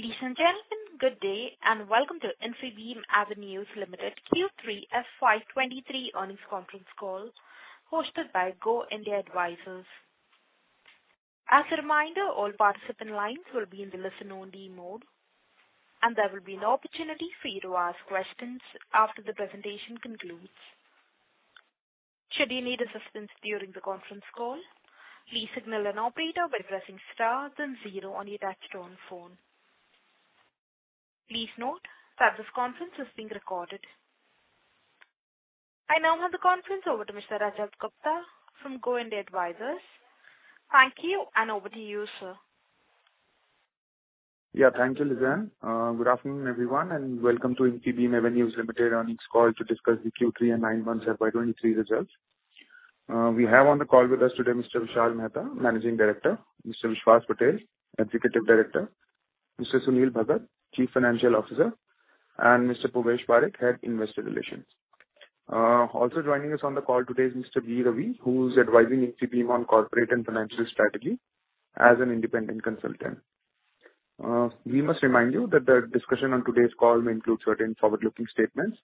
Ladies and gentlemen, good day, and welcome to Infibeam Avenues Limited Q3 FY 2023 earnings conference call hosted by Go India Advisors. As a reminder, all participant lines will be in the listen only mode, and there will be an opportunity for you to ask questions after the presentation concludes. Should you need assistance during the conference call, please signal an operator by pressing star then 0 on your touchtone phone. Please note that this conference is being recorded. I now hand the conference over to Mr. Rajat Gupta from Go India Advisors. Thank you, and over to you, sir. Thank you, Lizanne. Good afternoon, everyone, welcome to Infibeam Avenues Limited earnings call to discuss the Q3 and nine months of FY 2023 results. We have on the call with us today Mr. Vishal Mehta, Managing Director, Mr. Vishwas Patel, Executive Director, Mr. Sunil Bhagat, Chief Financial Officer, and Mr. Purvesh Parekh, Head, Investor Relations. Also joining us on the call today is Mr. B. Ravi who's advising Infibeam Avenues Limited on corporate and financial strategy as an independent consultant. We must remind you that the discussion on today's call may include certain forward-looking statements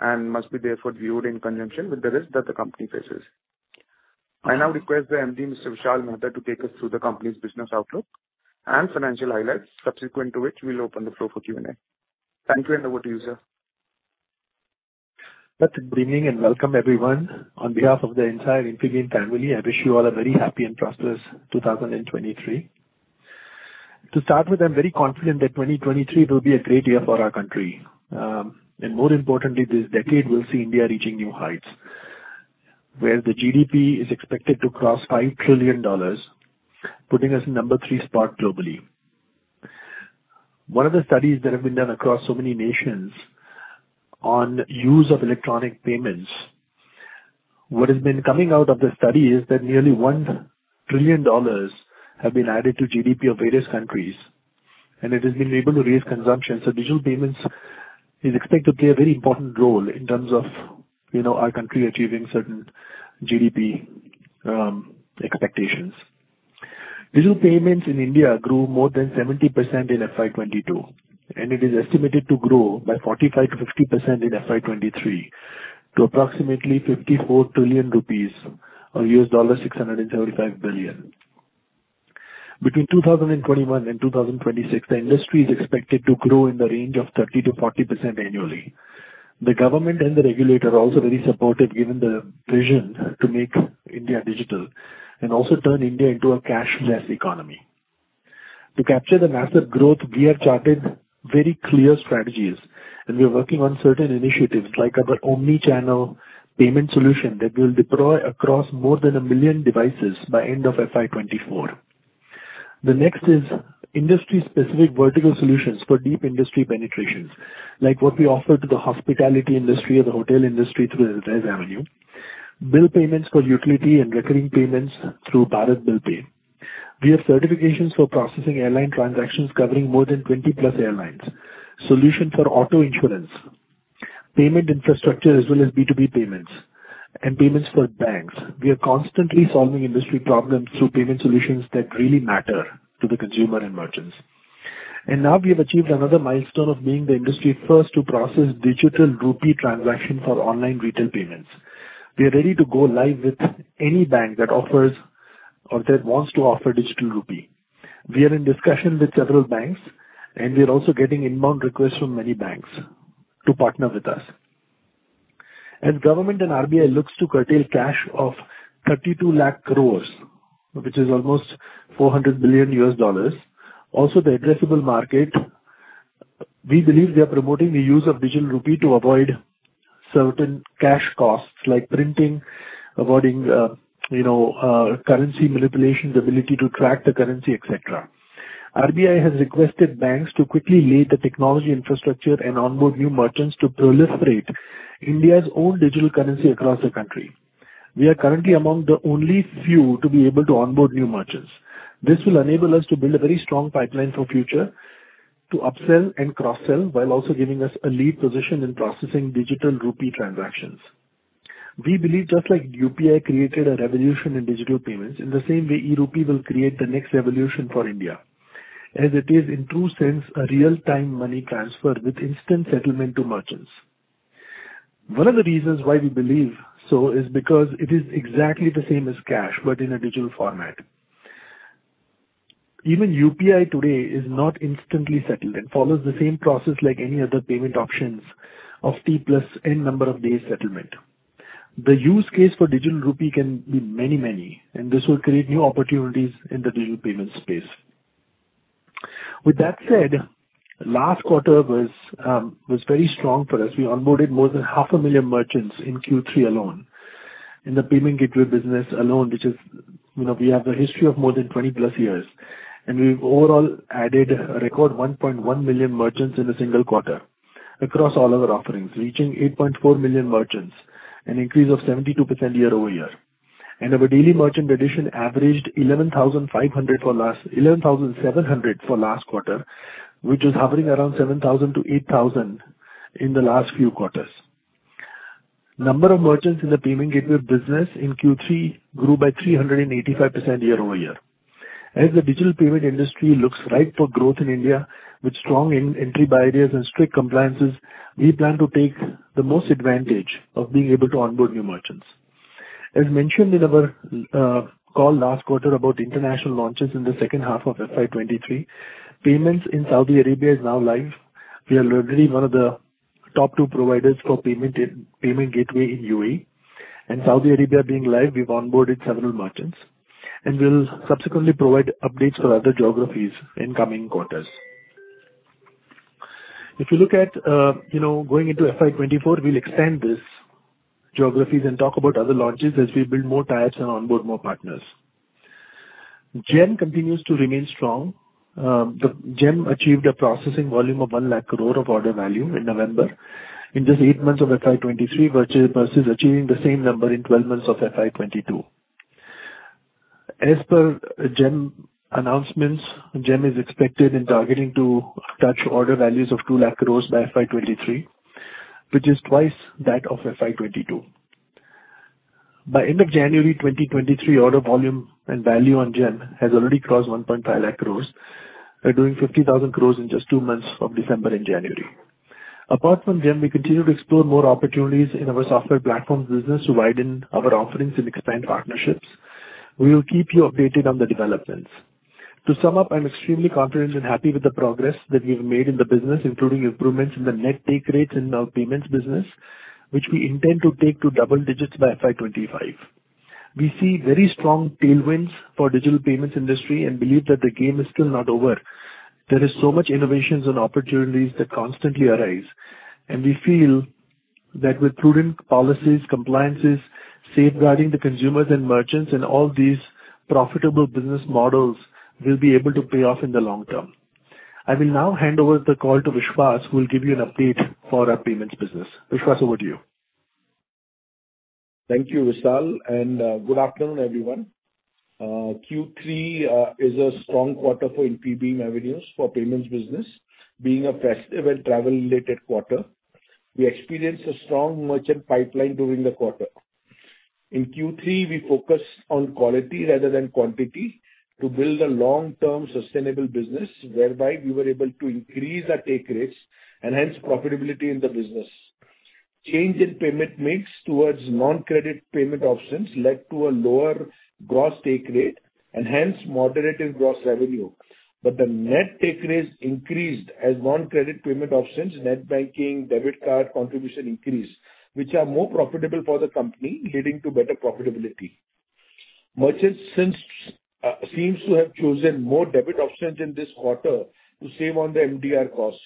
and must be therefore viewed in conjunction with the risk that the company faces. I now request the MD, Mr. Vishal Mehta, to take us through the company's business outlook and financial highlights, subsequent to which we'll open the floor for Q&A. Thank you, over to you, sir. Good evening and welcome, everyone. On behalf of the entire Infibeam family, I wish you all a very happy and prosperous 2023. To start with, I'm very confident that 2023 will be a great year for our country. And more importantly, this decade will see India reaching new heights, where the GDP is expected to cross $5 trillion, putting us number three spot globally. One of the studies that have been done across so many nations on use of electronic payments, what has been coming out of the study is that nearly $1 trillion have been added to GDP of various countries, and it has been able to raise consumption. Digital payments is expected to play a very important role in terms of, you know, our country achieving certain GDP expectations. Digital payments in India grew more than 70% in FY 2022, and it is estimated to grow by 45%-50% in FY 2023 to approximately 54 trillion rupees or $635 billion. Between 2021 and 2026, the industry is expected to grow in the range of 30%-40% annually. The government and the regulator are also very supportive, given the vision to make India digital and also turn India into a cashless economy. To capture the massive growth, we have charted very clear strategies, and we are working on certain initiatives like our omnichannel payment solution that will deploy across more than 1 million devices by end of FY 2024. The next is industry-specific vertical solutions for deep industry penetrations, like what we offer to the hospitality industry or the hotel industry through ResAvenue. Bill payments for utility and recurring payments through Bharat BillPay. We have certifications for processing airline transactions covering more than 20-plus airlines. Solution for auto insurance, payment infrastructure, as well as B2B payments and payments for banks. We are constantly solving industry problems through payment solutions that really matter to the consumer and merchants. Now we have achieved another milestone of being the industry first to process Digital Rupee transaction for online retail payments. We are ready to go live with any bank that offers or that wants to offer Digital Rupee. We are in discussion with several banks, and we are also getting inbound requests from many banks to partner with us. As government and RBI looks to curtail cash of 32 lakh crores, which is almost $400 billion, also the addressable market, we believe we are promoting the use of Digital Rupee to avoid certain cash costs like printing, avoiding, you know, currency manipulations, ability to track the currency, et cetera. RBI has requested banks to quickly lay the technology infrastructure and onboard new merchants to proliferate India's own digital currency across the country. We are currently among the only few to be able to onboard new merchants. This will enable us to build a very strong pipeline for future to upsell and cross-sell, while also giving us a lead position in processing Digital Rupee transactions. We believe just like UPI created a revolution in digital payments, in the same way, eRupee will create the next revolution for India, as it is in true sense, a real-time money transfer with instant settlement to merchants. One of the reasons why we believe so is because it is exactly the same as cash, but in a digital format. Even UPI today is not instantly settled and follows the same process like any other payment options of T plus N number of days settlement. The use case for Digital Rupee can be many, many, and this will create new opportunities in the digital payment space. With that said, last quarter was very strong for us. We onboarded more than half a million merchants in Q3 alone. In the payment gateway business alone, which is, you know, we have a history of more than 20+ years, we've overall added a record 1.1 million merchants in a single quarter across all our offerings, reaching 8.4 million merchants, an increase of 72% year-over-year. Our daily merchant addition averaged 11,700 for last quarter, which was hovering around 7,000-8,000 in the last few quarters. Number of merchants in the payment gateway business in Q3 grew by 385% year-over-year. As the digital payment industry looks right for growth in India, with strong entry barriers and strict compliances, we plan to take the most advantage of being able to onboard new merchants. As mentioned in our call last quarter about international launches in the second half of FY 2023, payments in Saudi Arabia is now live. We are already one of the top two providers for payment gateway in UAE. In Saudi Arabia being live, we've onboarded several merchants. We'll subsequently provide updates for other geographies in coming quarters. If you look at, you know, going into FY 2024, we'll extend these geographies and talk about other launches as we build more ties and onboard more partners. GeM continues to remain strong. The GeM achieved a processing volume of 1 lakh crore of order value in November, in just eight months of FY 2023 versus achieving the same number in 12 months of FY 2022. As per GeM announcements, GeM is expected and targeting to touch order values of 2 lakh crores by FY 2023, which is twice that of FY 2022. By end of January 2023, order volume and value on GeM has already crossed 1.5 lakh crores by doing 50,000 crores in just two months of December and January. Apart from GeM, we continue to explore more opportunities in our software platforms business to widen our offerings and expand partnerships. We will keep you updated on the developments. To sum up, I'm extremely confident and happy with the progress that we've made in the business, including improvements in the net take rates in our payments business, which we intend to take to double digits by FY 2025. We see very strong tailwinds for digital payments industry and believe that the game is still not over. There is so much innovations and opportunities that constantly arise. We feel that with prudent policies, compliances, safeguarding the consumers and merchants, and all these profitable business models will be able to pay off in the long term. I will now hand over the call to Vishwas, who will give you an update for our payments business. Vishwas, over to you. Thank you, Vishal. Good afternoon, everyone. Q3 is a strong quarter for NPB revenues for payments business. Being a festive and travel-related quarter, we experienced a strong merchant pipeline during the quarter. In Q3, we focused on quality rather than quantity to build a long-term sustainable business, whereby we were able to increase our take rates and hence profitability in the business. Change in payment mix towards non-credit payment options led to a lower gross take rate and hence moderate in gross revenue. The net take rates increased as non-credit payment options, net banking, debit card contribution increased, which are more profitable for the company, leading to better profitability. Merchants seems to have chosen more debit options in this quarter to save on their MDR costs.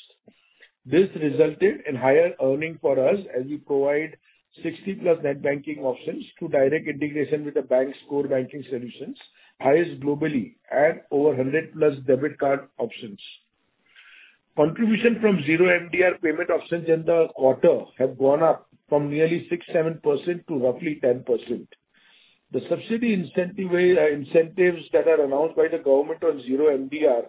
This resulted in higher earning for us, as we provide 60-plus net banking options to direct integration with the bank's core banking solutions, highest globally, and over 100-plus debit card options. Contribution from zero MDR payment options in the quarter have gone up from nearly 6%-7% to roughly 10%. The subsidy incentive incentives that are announced by the government on zero MDR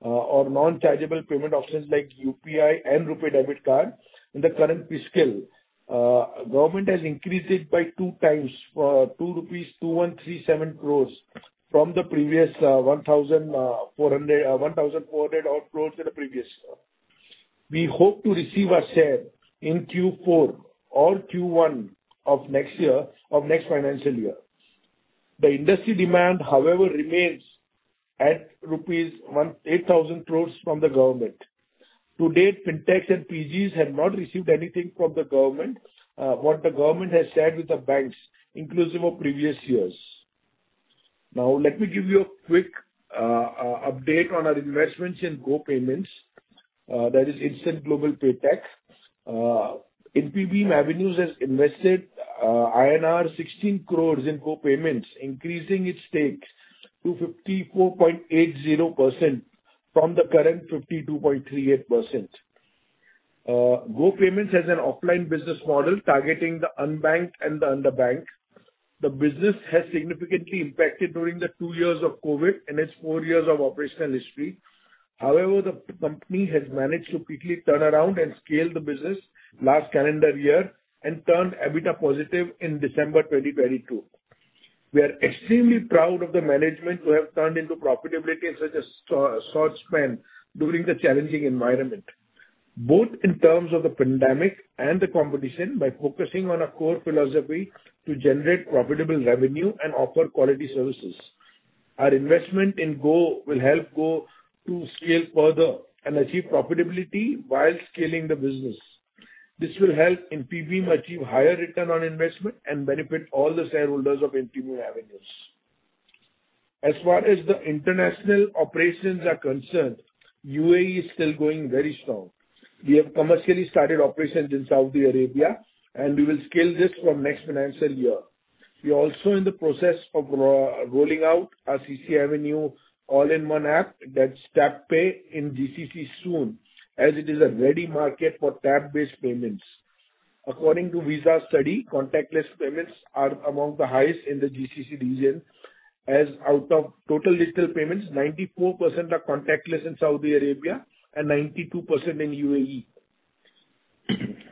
or non-chargeable payment options like UPI and RuPay debit card in the current fiscal, government has increased it by two times, for 2,137 crores from the previous 1,400 odd crores in the previous. We hope to receive our share in Q4 or Q1 of next year, of next financial year. The industry demand, however, remains at rupees 8,000 crores from the government. To date, FinTechs and PGs have not received anything from the government, what the government has shared with the banks, inclusive of previous years. Let me give you a quick update on our investments in GoPayments, that is Instant Global Paytech. Infibeam Avenues has invested INR 16 crores in GoPayments, increasing its stakes to 54.80% from the current 52.38%. GoPayments has an offline business model targeting the unbanked and the underbanked. The business has significantly impacted during the two years of COVID in its four years of operational history. The company has managed to quickly turn around and scale the business last calendar year and turned EBITDA positive in December 2022. We are extremely proud of the management who have turned into profitability in such a short span during the challenging environment, both in terms of the pandemic and the competition, by focusing on our core philosophy to generate profitable revenue and offer quality services. Our investment in Go will help Go to scale further and achieve profitability while scaling the business. This will help NPB achieve higher return on investment and benefit all the shareholders of Infibeam Avenues. As far as the international operations are concerned, UAE is still going very strong. We have commercially started operations in Saudi Arabia, we will scale this from next financial year. We're also in the process of rolling out our CCAvenue all-in-one app, that's TapPay, in GCC soon, as it is a ready market for tap-based payments. According to Visa study, contactless payments are among the highest in the GCC region. Out of total digital payments, 94% are contactless in Saudi Arabia and 92% in UAE.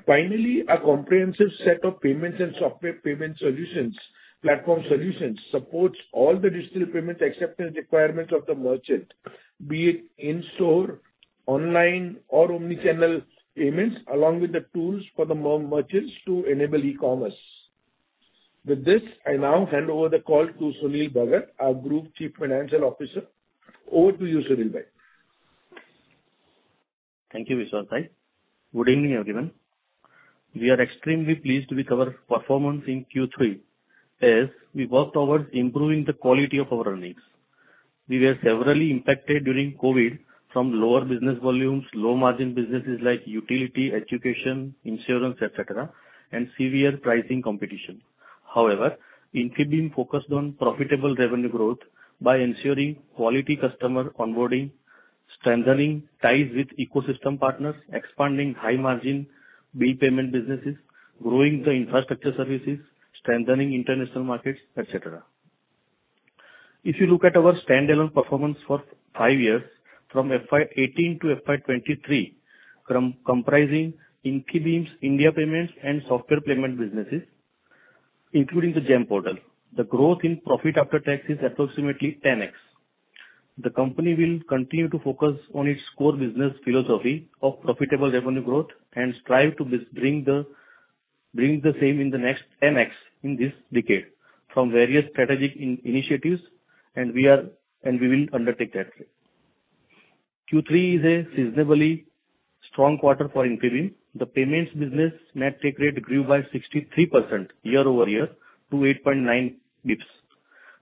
Finally, a comprehensive set of payments and software payment solutions, platform solutions supports all the digital payments acceptance requirements of the merchant, be it in-store, online or omnichannel payments, along with the tools for the merchants to enable e-commerce. With this, I now hand over the call to Sunil Bhagat, our Group Chief Financial Officer. Over to you, Sunil bhai. Thank you, Vishal bhai. Good evening, everyone. We are extremely pleased with our performance in Q3 as we worked towards improving the quality of our earnings. We were severely impacted during COVID from lower business volumes, low margin businesses like utility, education, insurance, etc., and severe pricing competition. Infibeam focused on profitable revenue growth by ensuring quality customer onboarding, strengthening ties with ecosystem partners, expanding high margin bill payment businesses, growing the infrastructure services, strengthening international markets, etc. If you look at our standalone performance for five years, from FY 2018-FY 2023, comprising Infibeam's India payments and software payment businesses, including the GeM portal, the growth in profit after tax is approximately 10x. The company will continue to focus on its core business philosophy of profitable revenue growth and strive to bring the same in the next 10X in this decade from various strategic initiatives, we are, and we will undertake that. Q3 is a reasonably strong quarter for Infibeam. The payments business net take rate grew by 63% year-over-year to 8.9 bps.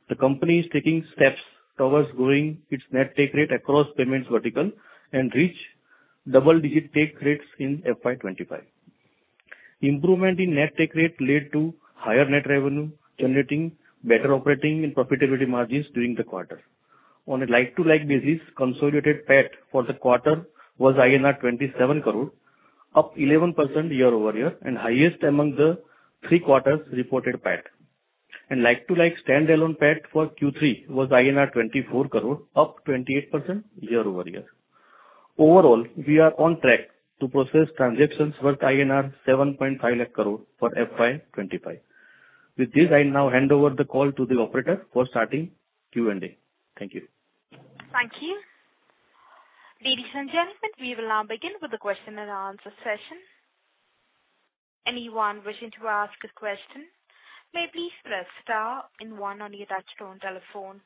The company is taking steps towards growing its net take rate across payments vertical and reach double-digit take rates in FY 2025. Improvement in net take rate led to higher net revenue, generating better operating and profitability margins during the quarter. On a like-to-like basis, consolidated PAT for the quarter was INR 27 crore, up 11% year-over-year and highest among the three quarters reported PAT. Like-to-like standalone PAT for Q3 was INR 24 crore, up 28% year-over-year. Overall, we are on track to process transactions worth INR 7.5 lakh crore for FY 2025. With this, I now hand over the call to the operator for starting Q&A. Thank you. Thank you. Ladies and gentlemen, we will now begin with the question and answer session. Anyone wishing to ask a question may please press star and one on your touchtone telephone.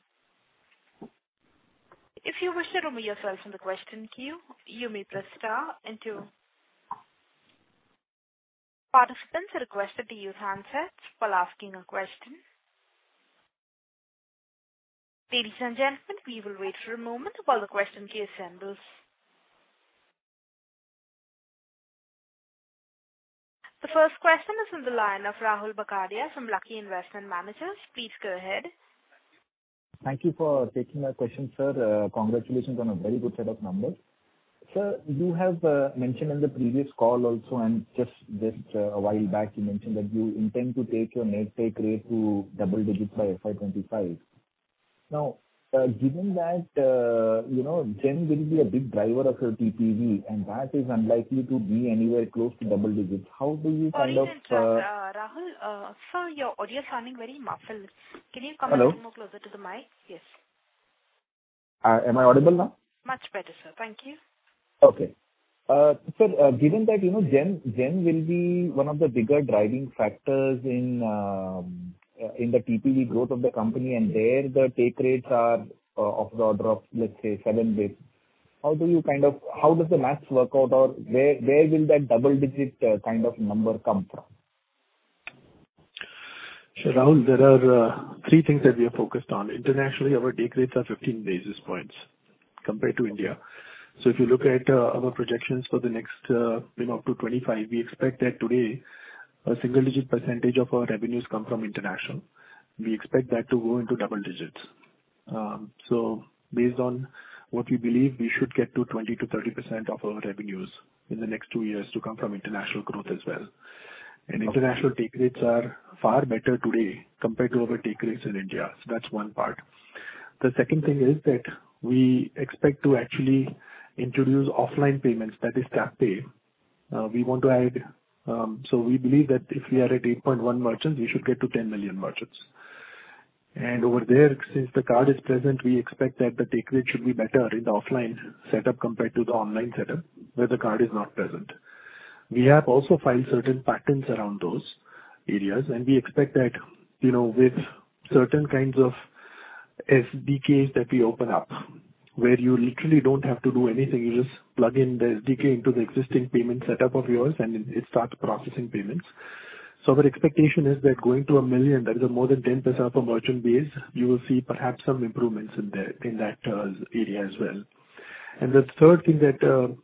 If you wish to remove yourself from the question queue, you may press star and two. Participants are requested to use handsets while asking a question. Ladies and gentlemen, we will wait for a moment while the question queue assembles. The first question is on the line of Rahul Bhangadia from Lucky Investment Managers. Please go ahead. Thank you for taking my question, sir. Congratulations on a very good set of numbers. Sir, you have mentioned on the previous call also, and just a while back you mentioned that you intend to take your net take rate to double digits by FY 2025. Now, given that, you know, GeM will be a big driver of your TPV, and that is unlikely to be anywhere close to double digits. How do you kind of? Sorry to interrupt, Rahul. Sir, your audio is sounding very muffled. Can you come a little more closer to the mic? Hello? Yes. Am I audible now? Much better, sir. Thank you. Okay. Sir, given that, you know, GeM will be one of the bigger driving factors in the TPV growth of the company and there the take rates are of the order of, let's say, 7 basis. How does the math work out or where will that double-digit kind of number come from? Sure, Rahul. There are three things that we are focused on. Internationally, our take rates are 15 basis points compared to India. If you look at, you know, our projections for the next up to 2025, we expect that today a single-digit % of our revenues come from international. We expect that to go into double digits. Based on what we believe, we should get to 20%-30% of our revenues in the next two years to come from international growth as well. International take rates are far better today compared to our take rates in India. That's one part. The second thing is that we expect to actually introduce offline payments, that is TapPay. We want to add... We believe that if we are at 8.1 merchants, we should get to 10 million merchants. Over there, since the card is present, we expect that the take rate should be better in the offline setup compared to the online setup where the card is not present. We have also filed certain patents around those areas, we expect that, you know, with certain kinds of SDKs that we open up, where you literally don't have to do anything, you just plug in the SDK into the existing payment setup of yours and it starts processing payments. Our expectation is that going to 1 million, that is a more than 10% of a merchant base, you will see perhaps some improvements in that area as well. The third thing that,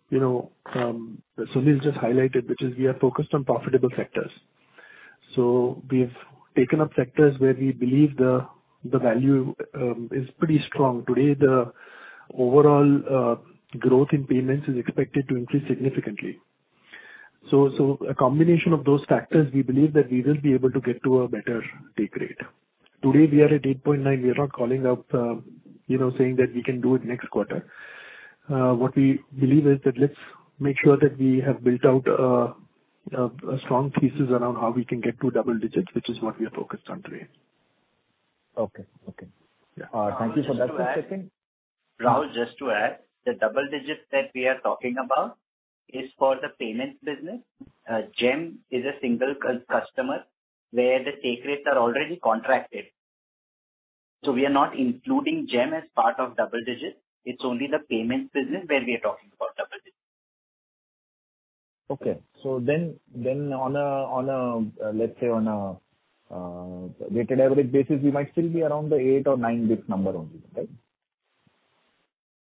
you know, Sunil's just highlighted, which is we are focused on profitable sectors. We have taken up sectors where we believe the value, is pretty strong. Today, the overall, growth in payments is expected to increase significantly. A combination of those factors, we believe that we will be able to get to a better take rate. Today we are at 8.9%. We are not calling out, you know, saying that we can do it next quarter. What we believe is that let's make sure that we have built out a strong thesis around how we can get to double digits, which is what we are focused on today. Okay. Okay. Yeah. Thank you for that clarification. Rahul, just to add, the double digits that we are talking about is for the payments business. GeM is a single customer where the take rates are already contracted. We are not including GeM as part of double digits. It's only the payments business where we are talking about double digits. Okay. Then on a, let's say on a weighted average basis, we might still be around the eight or nine bit number only, right?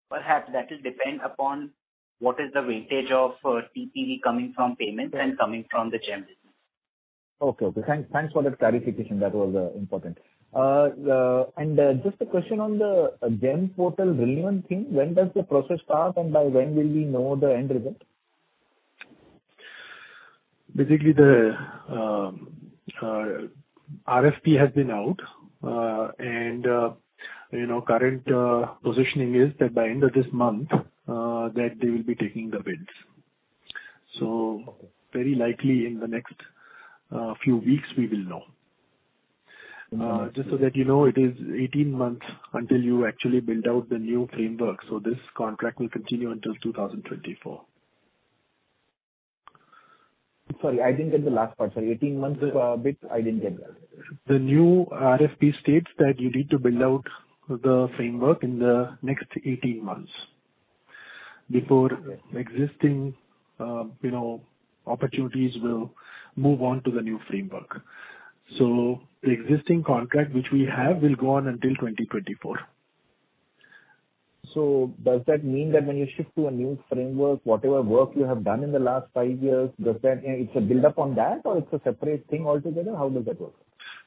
Perhaps. That will depend upon what is the weightage of TPV coming from payments. Okay. coming from the GeM business. Okay. Okay. Thanks, thanks for that clarification. That was important. Just a question on the GeM portal renewal thing. When does the process start, and by when will we know the end result? Basically, the RFP has been out. You know, current positioning is that by end of this month that they will be taking the bids. Very likely in the next few weeks we will know. Mm-hmm. just so that you know, it is 18 months until you actually build out the new framework, so this contract will continue until 2024. Sorry, I didn't get the last part. Sorry. 18 months is, bid, I didn't get that. The new RFP states that you need to build out the framework in the next 18 months before existing, you know, opportunities will move on to the new framework. The existing contract which we have will go on until 2024. Does that mean that when you shift to a new framework, whatever work you have done in the last five years, it's a build up on that or it's a separate thing altogether? How does that work?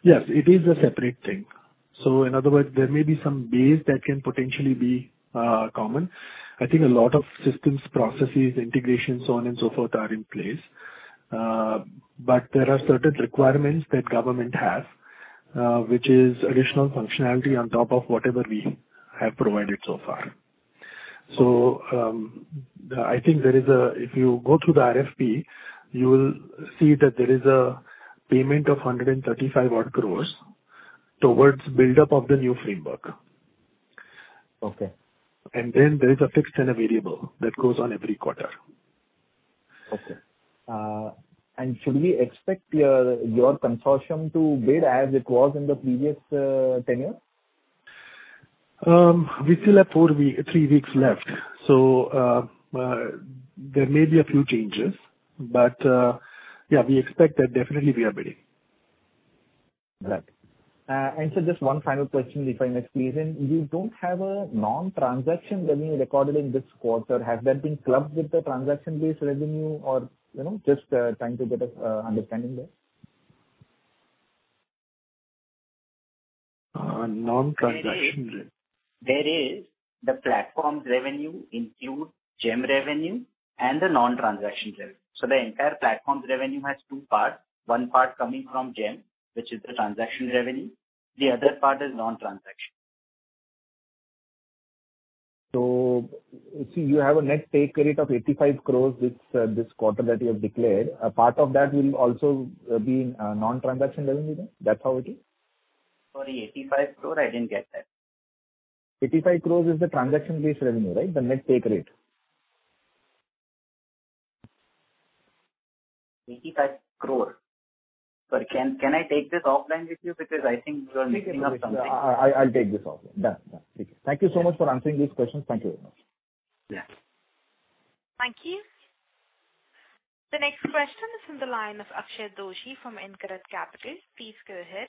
Yes, it is a separate thing. In other words, there may be some base that can potentially be common. I think a lot of systems, processes, integration, so on and so forth are in place. But there are certain requirements that government has which is additional functionality on top of whatever we have provided so far. If you go through the RFP, you will see that there is a payment of 135 crore towards build-up of the new framework. Okay. There is a fixed and a variable that goes on every quarter. Okay. Should we expect your consortium to bid as it was in the previous tenure? We still have three weeks left, so there may be a few changes. Yeah, we expect that definitely we are bidding. Right. Sir, just one final question before I next season. You don't have a non-transaction revenue recorded in this quarter. Has that been clubbed with the transaction-based revenue or, you know, just trying to get an understanding there? Uh, non-transaction- There is. The platforms revenue include GeM revenue and the non-transaction revenue. The entire platforms revenue has two parts. One part coming from GeM, which is the transaction revenue. The other part is non-transaction. See, you have a net take rate of 85 crores, which this quarter that you have declared. A part of that will also be in non-transaction revenue then? That's how it is. Sorry, 85 crore? I didn't get that. 85 crores is the transaction-based revenue, right? The net take rate. 85 crore. Sorry, can I take this offline with you because I think you are mixing up something. Take it offline. I'll take this offline. Done. Thank you. Thank you so much for answering these questions. Thank you very much. Yeah. Thank you. The next question is from the line of Akshay Doshi from InCred Capital. Please go ahead.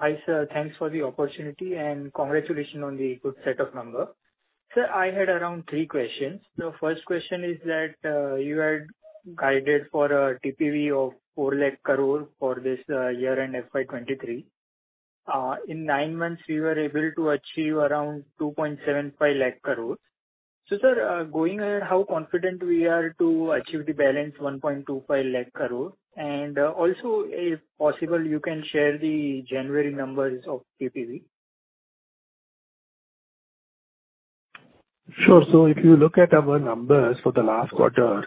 Hi sir. Thanks for the opportunity, congratulations on the good set of numbers. Sir, I had around three questions. The first question is that, you had guided for a TPV of 4 lakh crore for this year-end FY23. In nine months, we were able to achieve around 2.75 lakh crore. Sir, going ahead, how confident we are to achieve the balance 1.25 lakh crore. Also, if possible, you can share the January numbers of TPV. Sure. If you look at our numbers for the last quarter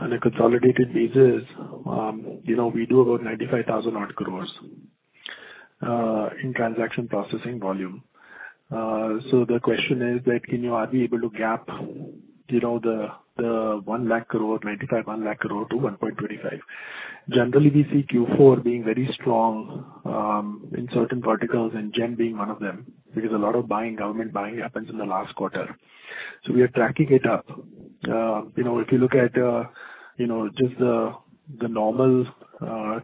on a consolidated basis, you know, we do about 95,000 crore in transaction processing volume. The question is that, you know, are we able to gap, you know, the 1 lakh crore, 95,000 crore, 1 lakh crore to 1.25 lakh crore. Generally we see Q4 being very strong in certain verticals and GeM being one of them because a lot of buying, government buying happens in the last quarter. We are tracking it up. You know, if you look at, you know, just the normal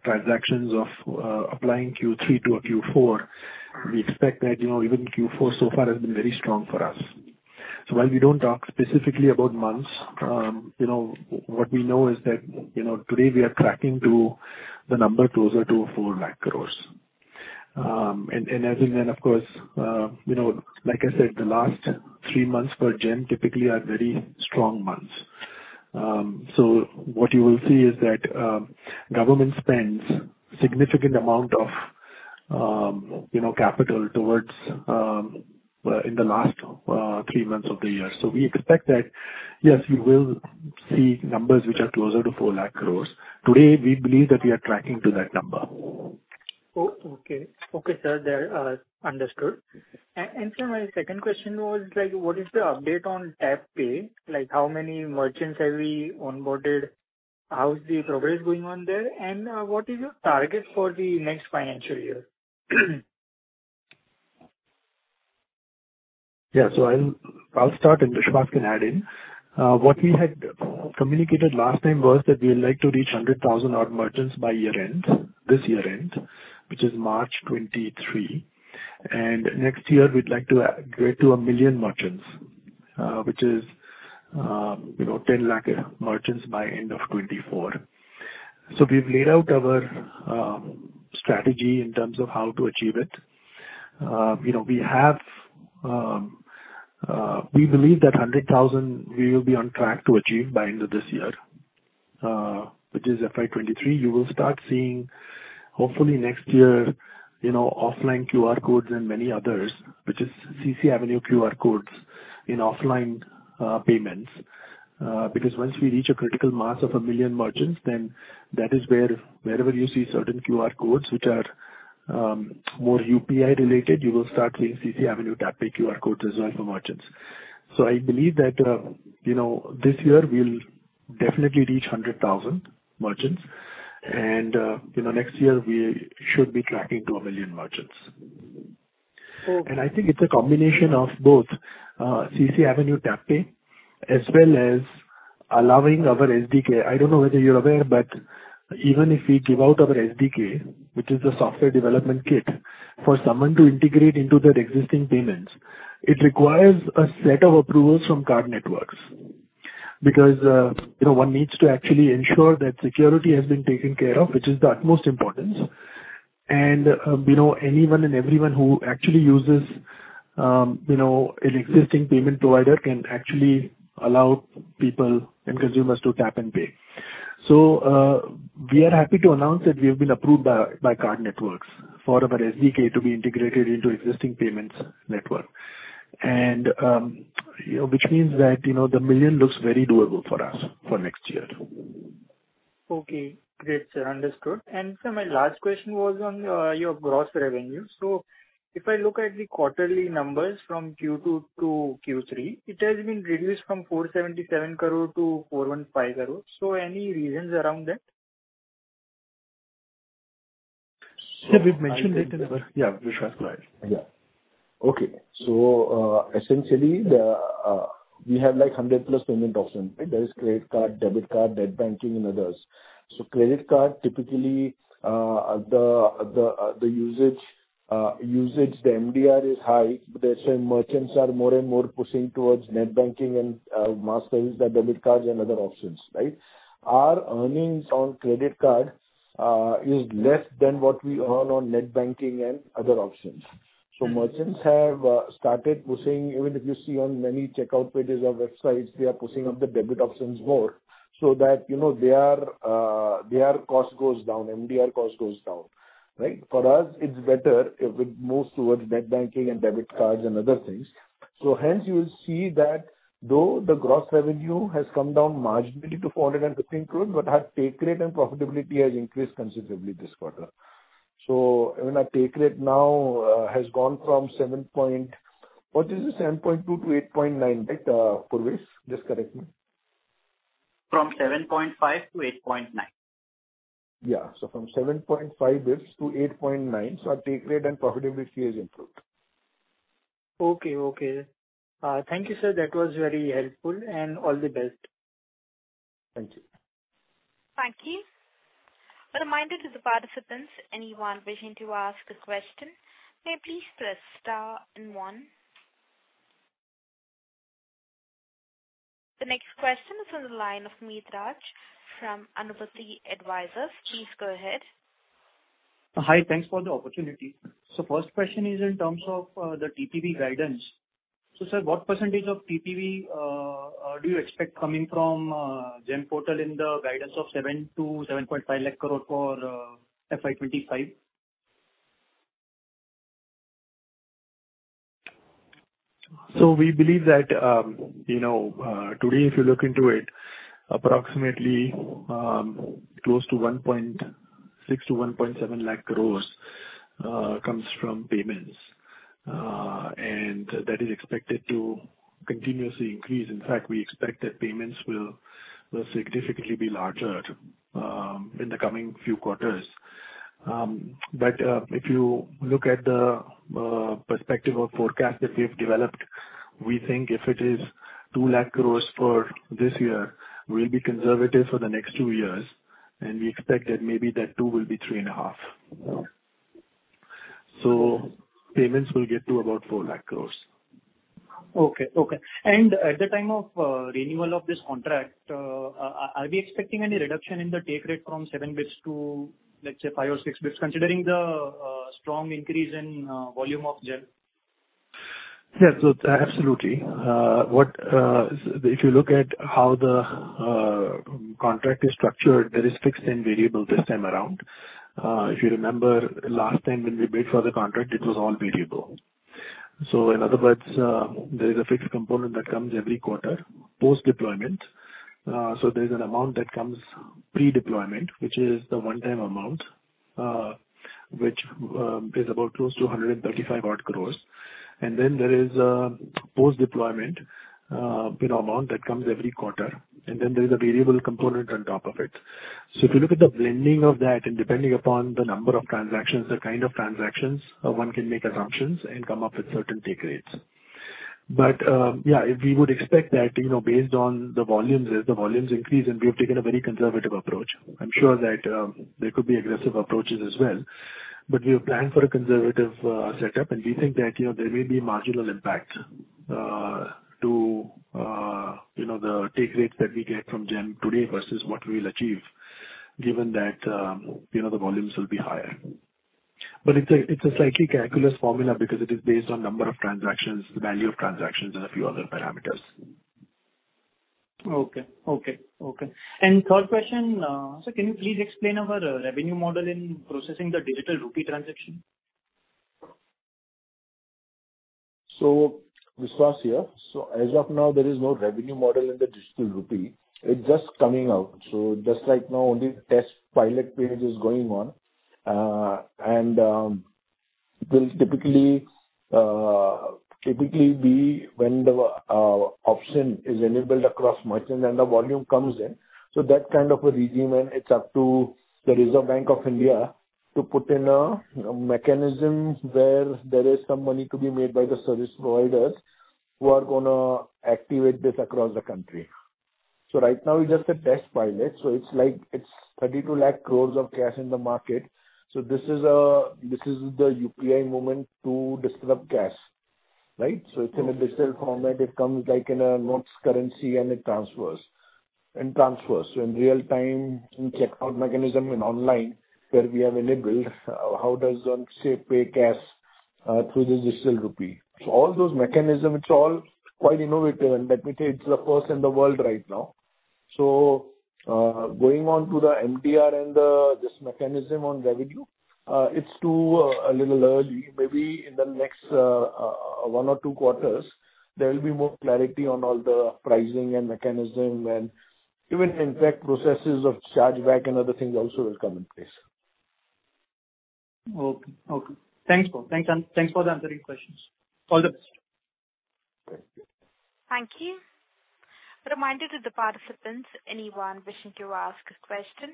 transactions of applying Q3 to a Q4, we expect that, you know, even Q4 so far has been very strong for us. While we don't talk specifically about months, you know, what we know is that, you know, today we are tracking to the number closer to 4 lakh crores. As and when, of course, you know, like I said, the last three months for GeM typically are very strong months. What you will see is that government spends significant amount of, you know, capital towards in the last three months of the year. We expect that, yes, you will see numbers which are closer to 4 lakh crores. Today, we believe that we are tracking to that number. Oh, okay. Okay, sir. There, understood. Sir, my second question was, like, what is the update on CCAvenue TapPay? How many merchants have we onboarded? How is the progress going on there? What is your target for the next financial year? Yeah. I'll start, and Vishwas can add in. What we had communicated last time was that we would like to reach 100,000 odd merchants by year-end, this year-end, which is March 2023. Next year we'd like to get to 1 million merchants, which is, you know, 10 lakh merchants by end of 2024. We've laid out our strategy in terms of how to achieve it. You know, we have, we believe that 100,000 we will be on track to achieve by end of this year, which is FY 2023. You will start seeing hopefully next year, you know, offline QR codes and many others, which is CCAvenue QR codes in offline payments. Because once we reach a critical mass of 1 million merchants, then that is where wherever you see certain QR codes which are more UPI related, you will start seeing CCAvenue TapPay QR codes as well for merchants. I believe that, you know, this year we'll definitely reach 100,000 merchants and, you know, next year we should be tracking to 1 million merchants. Okay. I think it's a combination of both, CCAvenue TapPay as well as allowing our SDK. I don't know whether you're aware, but even if we give out our SDK, which is the software development kit, for someone to integrate into their existing payments, it requires a set of approvals from card networks. You know, one needs to actually ensure that security has been taken care of, which is the utmost importance. You know, anyone and everyone who actually uses, you know, an existing payment provider can actually allow people and consumers to tap and pay. We are happy to announce that we have been approved by card networks for our SDK to be integrated into existing payments network. You know, which means that, you know, the million looks very doable for us for next year. Okay. Great, sir. Understood. Sir, my last question was on your gross revenue. If I look at the quarterly numbers from Q2 to Q3, it has been reduced from 477 crore to 415 crore. Any reasons around that? Sir, we've mentioned it. Yeah, Vishwas, go ahead. Okay. Essentially, the, we have like 100+ payment options, right? There is credit card, debit card, net banking and others. Credit card, typically, the usage, the MDR is high. That's why merchants are more and more pushing towards net banking and mass things like debit cards and other options, right? Our earnings on credit card is less than what we earn on net banking and other options. Merchants have started pushing... Even if you see on many checkout pages or websites, they are pushing up the debit options more so that, you know, their cost goes down, MDR cost goes down, right? For us, it's better if it moves towards net banking and debit cards and other things. Hence you will see that though the gross revenue has come down marginally to 415 crore, but our take rate and profitability has increased considerably this quarter. Even our take rate now has gone from 7.2 to 8.9, right, Purvesh? Just correct me. From 7.5 to 8.9. Yeah. From 7.5 bps to 8.9 bps. Our net take rate and profitability has improved. Okay. Okay. Thank you, sir. That was very helpful. All the best. Thank you. Thank you. A reminder to the participants, anyone wishing to ask a question, may please press star and one. The next question is on the line of Mitraj from Anupati Advisors. Please go ahead. Hi. Thanks for the opportunity. First question is in terms of the TPV guidance. Sir, what percentage of TPV do you expect coming from GeM portal in the guidance of 7 lakh crore-7.5 lakh crore for FY 2025? We believe that, you know, today if you look into it, approximately close to 1.6 lakh-1.7 lakh crores comes from payments. And that is expected to continuously increase. In fact, we expect that payments will significantly be larger in the coming few quarters. If you look at the perspective or forecast that we have developed, we think if it is 2 lakh crores for this year, we'll be conservative for the next two years, and we expect that maybe that two will be 3 and a half. payments will get to about 4 lakh crores. Okay, okay. At the time of renewal of this contract, are we expecting any reduction in the take rate from seven bps to, let's say five or six bps, considering the strong increase in volume of GeM? Absolutely. If you look at how the contract is structured, there is fixed and variable this time around. If you remember last time when we bid for the contract, it was all variable. In other words, there is a fixed component that comes every quarter post-deployment. There's an amount that comes pre-deployment, which is the one-time amount, which is about close to 135 odd crores. Then there is post-deployment amount that comes every quarter. Then there is a variable component on top of it. If you look at the blending of that, depending upon the number of transactions, the kind of transactions, one can make assumptions and come up with certain take rates. Yeah, we would expect that, you know, based on the volumes, as the volumes increase, and we have taken a very conservative approach. I'm sure that there could be aggressive approaches as well. We have planned for a conservative setup, and we think that, you know, there may be marginal impact to, you know, the take rates that we get from GeM today versus what we'll achieve given that, you know, the volumes will be higher. It's a slightly calculus formula because it is based on number of transactions, the value of transactions and a few other parameters. Okay. Okay. Okay. Third question, sir, can you please explain our revenue model in processing the Digital Rupee transaction? Vishwas here. As of now, there is no revenue model in the Digital Rupee. It's just coming out. Just like now only the test pilot phase is going on, and will typically be when the option is enabled across merchant and the volume comes in. That kind of a regimen, it's up to the Reserve Bank of India to put in a mechanism where there is some money to be made by the service providers who are gonna activate this across the country. Right now it's just a test pilot, so it's like it's 32 lakh crores of cash in the market. This is the UPI moment to disrupt cash, right? Okay. It's in a digital format. It comes like in a notes currency and it transfers, and transfers. In real time, in checkout mechanism, in online where we have enabled, how does one, say, pay cash, through the Digital Rupee. All those mechanism, it's all quite innovative and let me tell you, it's a first in the world right now. Going on to the MDR and this mechanism on revenue, it's too a little early. Maybe in the next one or two quarters, there will be more clarity on all the pricing and mechanism and even in fact processes of chargeback and other things also will come in place. Okay. Okay. Thanks for answering questions. All the best. Thank you. Thank you. Reminder to the participants, anyone wishing to ask a question,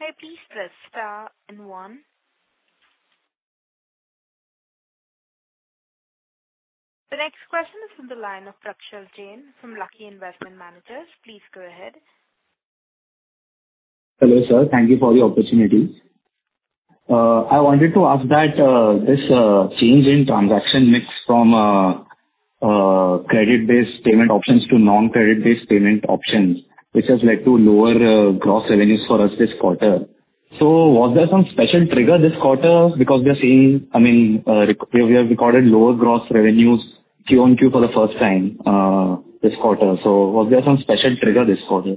may please press star and one. The next question is from the line of Prakshal Jain from Lucky Investment Managers. Please go ahead. Hello, sir. Thank you for the opportunity. I wanted to ask that this change in transaction mix from credit-based payment options to non-credit based payment options, which has led to lower gross revenues for us this quarter. Was there some special trigger this quarter? Because we are seeing, I mean, we have recorded lower gross revenues Q on Q for the first time this quarter. Was there some special trigger this quarter?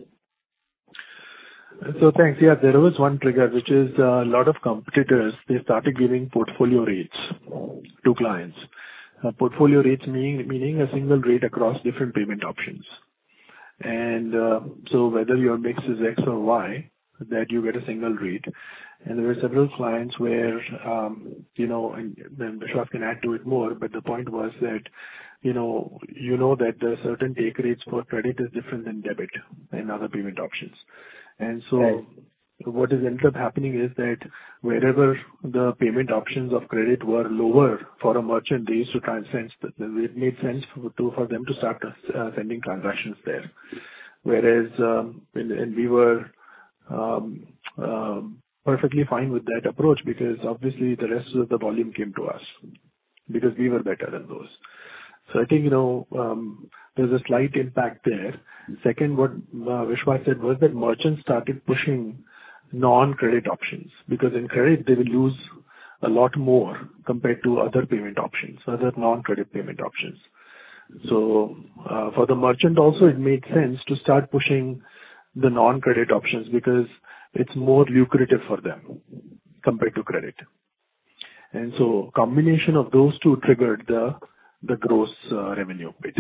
Thanks. Yeah, there was one trigger, which is a lot of competitors, they started giving portfolio rates to clients. portfolio rates meaning a single rate across different payment options. Whether your mix is X or Y, that you get a single rate. There are several clients where, you know, Vishwas can add to it more, the point was that, you know, you know that the certain take rates for credit is different than debit and other payment options. Right. What is ended up happening is that wherever the payment options of credit were lower for a merchant, It made sense for them to start sending transactions there. Whereas, and we were perfectly fine with that approach because obviously the rest of the volume came to us because we were better than those. I think, you know, there's a slight impact there. Second, what Vishwas said was that merchants started pushing non-credit options because in credit they will lose a lot more compared to other payment options, other non-credit payment options. For the merchant also, it made sense to start pushing the non-credit options because it's more lucrative for them compared to credit. Combination of those two triggered the gross revenue bit.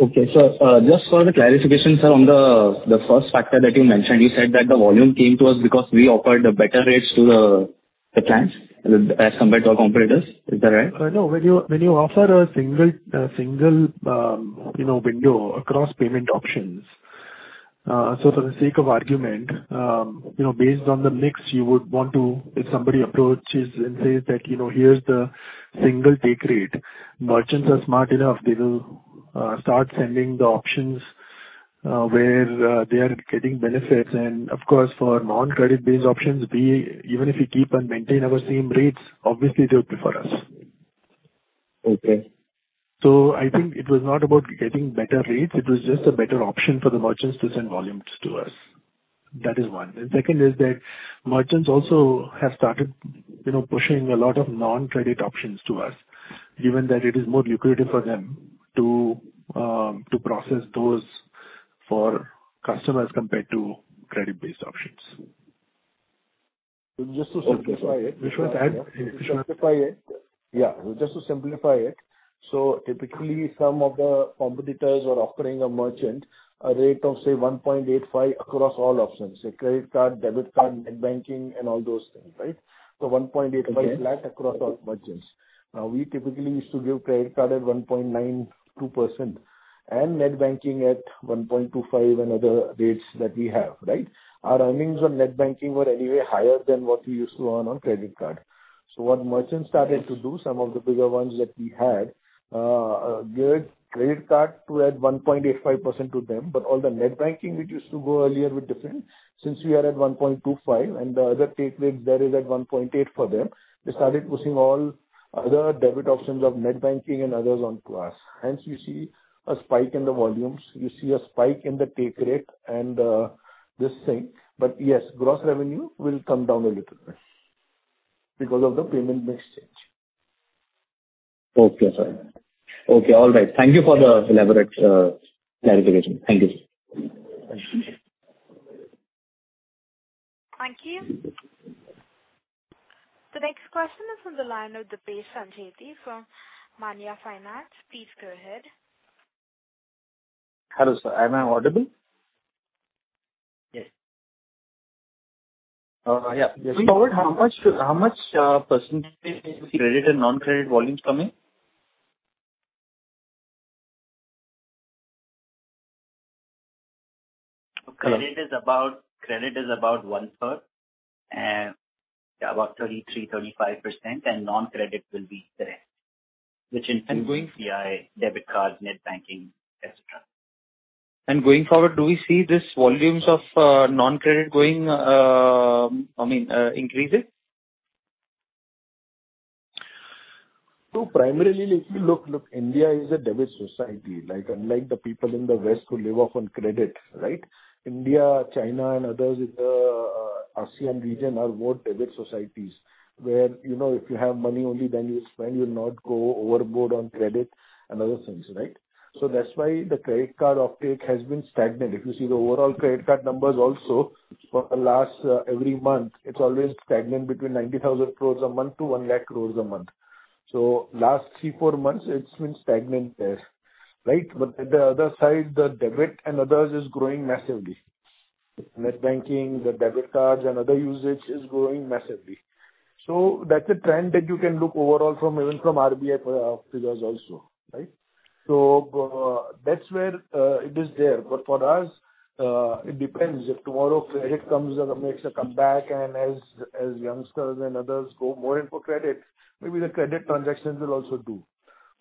Okay. Just for the clarification, sir, on the first factor that you mentioned, you said that the volume came to us because we offered the better rates to the clients as compared to our competitors. Is that right? No. When you offer a single, you know, window across payment options, for the sake of argument, you know, based on the mix, you would want to, if somebody approaches and says that, you know, "Here's the single take rate," merchants are smart enough, they will start sending the options where they are getting benefits. Of course, for non-credit based options, even if we keep and maintain our same rates, obviously they'll prefer us. Okay. I think it was not about getting better rates, it was just a better option for the merchants to send volumes to us. That is one. The second is that merchants also have started, you know, pushing a lot of non-credit options to us, given that it is more lucrative for them to process those for customers compared to credit-based options. Just to simplify it. Which was add- Yeah. Just to simplify it. Typically some of the competitors are offering a merchant a rate of, say, 1.85% across all options. Say credit card, debit card, net banking and all those things, right? 1.85% flat across all merchants. Okay. Now, we typically used to give credit card at 1.92% and net banking at 1.25% and other rates that we have, right? Our earnings on net banking were anyway higher than what we used to earn on credit card. What merchants started to do, some of the bigger ones that we had, gave credit card to at 1.85% to them. All the net banking which used to go earlier with different, since we are at 1.25% and the other take rate there is at 1.8% for them, they started pushing all other debit options of net banking and others onto us. Hence you see a spike in the volumes, you see a spike in the take rate and this thing. Yes, gross revenue will come down a little bit because of the payment mix change. Okay, sir. Okay. All right. Thank you for the elaborate clarification. Thank you. Thank you. The next question is from the line of Dipesh Sancheti from Manya Finance. Please go ahead. Hello, sir. Am I audible? Yes. Yeah. Yes. How much percentage credit and non-credit volumes coming? Credit is about one-third, and about 33%-35% and non-credit will be the rest, which includes CI, debit card, net banking, etc. going forward, do we see these volumes of non-credit going, I mean, increasing? Primarily if you look, India is a debit society. Like, unlike the people in the West who live off on credit, right? India, China and others in the ASEAN region are more debit societies, where, you know, if you have money only then you spend, you'll not go overboard on credit and other things, right? That's why the credit card uptake has been stagnant. If you see the overall credit card numbers also for the last every month, it's always stagnant between 90,000 crores a month to 1 lakh crores a month. Last three, four months it's been stagnant there, right? The other side, the debit and others is growing massively. Net banking, the debit cards and other usage is growing massively. That's a trend that you can look overall from even from RBI figures also, right? That's where it is there. For us, it depends. If tomorrow credit comes or makes a comeback and as youngsters and others go more in for credit, maybe the credit transactions will also do.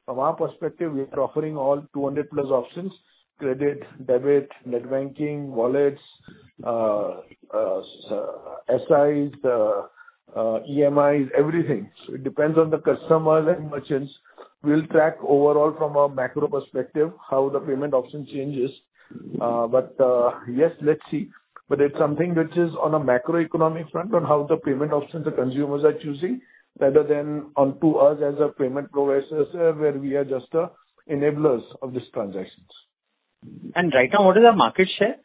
From our perspective, we are offering all 200+ options, credit, debit, net banking, wallets, SIs, EMIs, everything. It depends on the customer and merchants. We'll track overall from a macro perspective how the payment option changes. Yes, let's see. It's something which is on a macroeconomic front on how the payment options the consumers are choosing, rather than onto us as a payment processors, where we are just enablers of these transactions. Right now, what is our market share?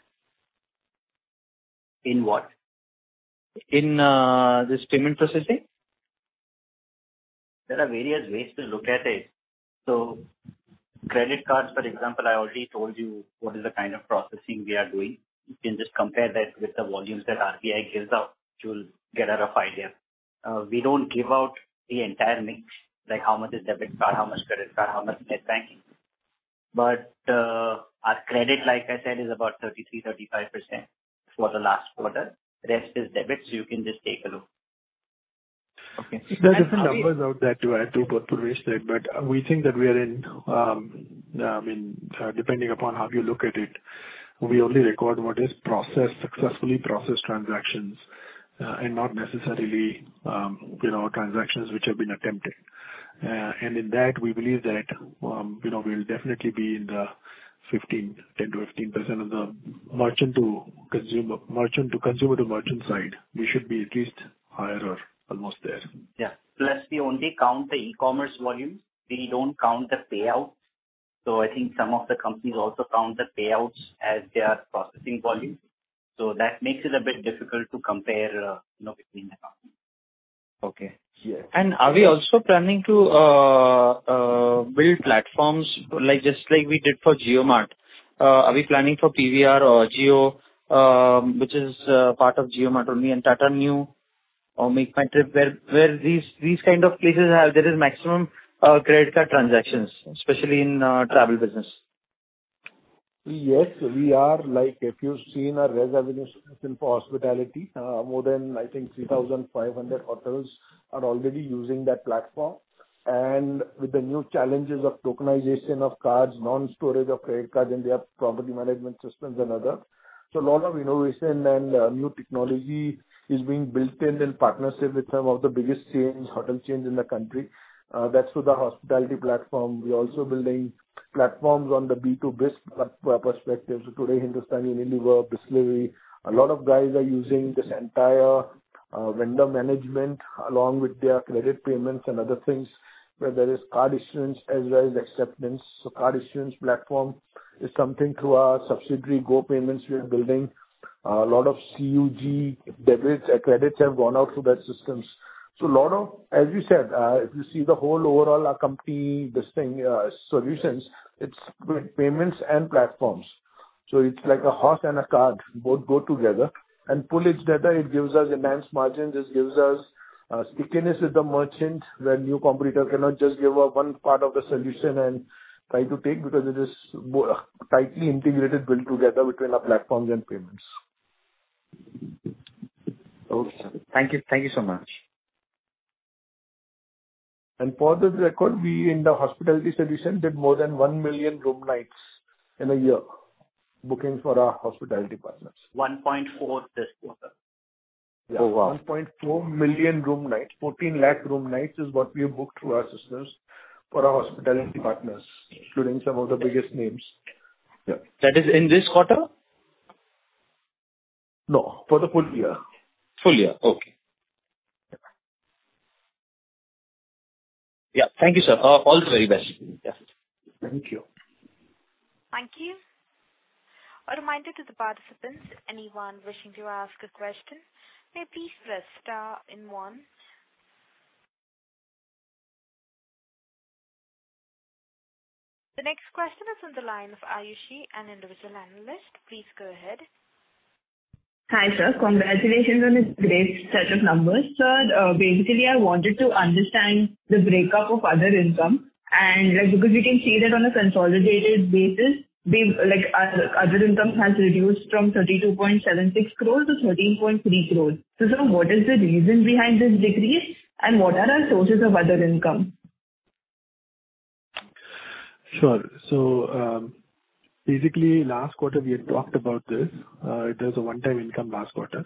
In what? In this payment processing. There are various ways to look at it. Credit cards, for example, I already told you what is the kind of processing we are doing. You can just compare that with the volumes that RBI gives out. You'll get a rough idea. We don't give out the entire mix, like how much is debit card, how much credit card, how much net banking. Our credit like I said, is about 33%-35% for the last quarter. The rest is debit. You can just take a look. Okay. There are some numbers out there too, I too got to restate. We think that we are in, I mean, depending upon how you look at it, we only record what is processed, successfully processed transactions, and not necessarily, you know, transactions which have been attempted. In that, we believe that, you know, we'll definitely be in the 15, 10%-15% of the merchant to consumer, merchant to consumer to merchant side. We should be at least higher or almost there. Yeah. We only count the e-commerce volumes. We don't count the payouts. I think some of the companies also count the payouts as their processing volumes. That makes it a bit difficult to compare, you know, between the companies. Okay. Yeah. Are we also planning to build platforms like, just like we did for JioMart? Are we planning for PVR or Jio, which is part of JioMart only, and Tata Neu or MakeMyTrip, where these kind of places have there is maximum credit card transactions, especially in travel business? Yes, we are. Like, if you've seen our ResAvenue system for hospitality, more than I think 3,500 hotels are already using that platform. With the new challenges of tokenization of cards, non-storage of credit cards in their property management systems and other. A lot of innovation and new technology is being built in partnership with some of the biggest chains, hotel chains in the country. That's with the hospitality platform. We're also building platforms on the B2B space perspectives. Today, Hindustan Unilever, Bisleri, a lot of guys are using this entire vendor management along with their credit payments and other things, where there is card issuance as well as acceptance. Card issuance platform is something through our subsidiary, GoPayments, we are building. A lot of CUG debits, credits have gone out through that systems. A lot of. As you said, if you see the whole overall our company, this thing, solutions, it's with payments and platforms. It's like a horse and a cart, both go together. Pull its data, it gives us enhanced margins, it gives us stickiness with the merchant, where new competitor cannot just give one part of the solution and try to take because it is tightly integrated, built together between our platforms and payments. Okay. Thank you. Thank you so much. For the record, we in the hospitality solution did more than 1 million room nights in a year, booking for our hospitality partners. 1.4 this quarter. Yeah. Oh, wow. 1.4 million room nights. 14 lakh room nights is what we have booked through our systems for our hospitality partners, including some of the biggest names. Yeah. That is in this quarter? No, for the full year. Full year. Okay. Yeah. Thank you, sir. All the very best. Yeah. Thank you. Thank you. A reminder to the participants, anyone wishing to ask a question, may please press star one. The next question is on the line of Ayushi, an individual analyst. Please go ahead. Hi, sir. Congratulations on this great set of numbers. Sir, basically I wanted to understand the breakup of other income and, like, because we can see that on a consolidated basis, the, like, other income has reduced from 32.76 crores-13.3 crores. Sir, what is the reason behind this decrease, and what are our sources of other income? Sure. Basically last quarter we had talked about this. It was a one-time income last quarter,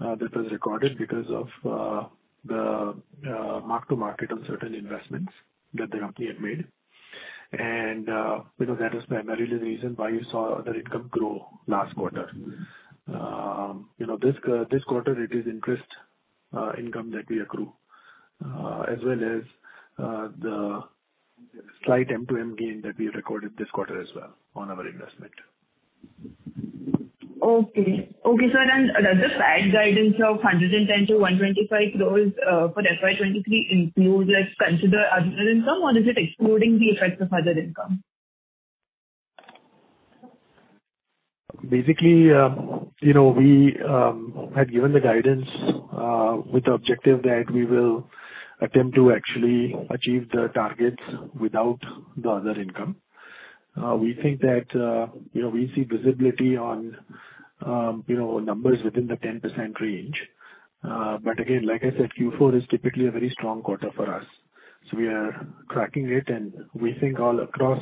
that was recorded because of the Mark-to-Market on certain investments that the company had made. Because that was primarily the reason why you saw other income grow last quarter. You know, this quarter it is interest income that we accrue, as well as the slight Mark-to-Market gain that we have recorded this quarter as well on our investment. Okay. Okay, sir. Does this PAT guidance of 110-125 crores for FY 2023 include, let's consider other income or is it excluding the effects of other income? You know, we had given the guidance with the objective that we will attempt to actually achieve the targets without the other income. We think that, you know, we see visibility on, you know, numbers within the 10% range. Like I said, Q4 is typically a very strong quarter for us. We are cracking it and we think all across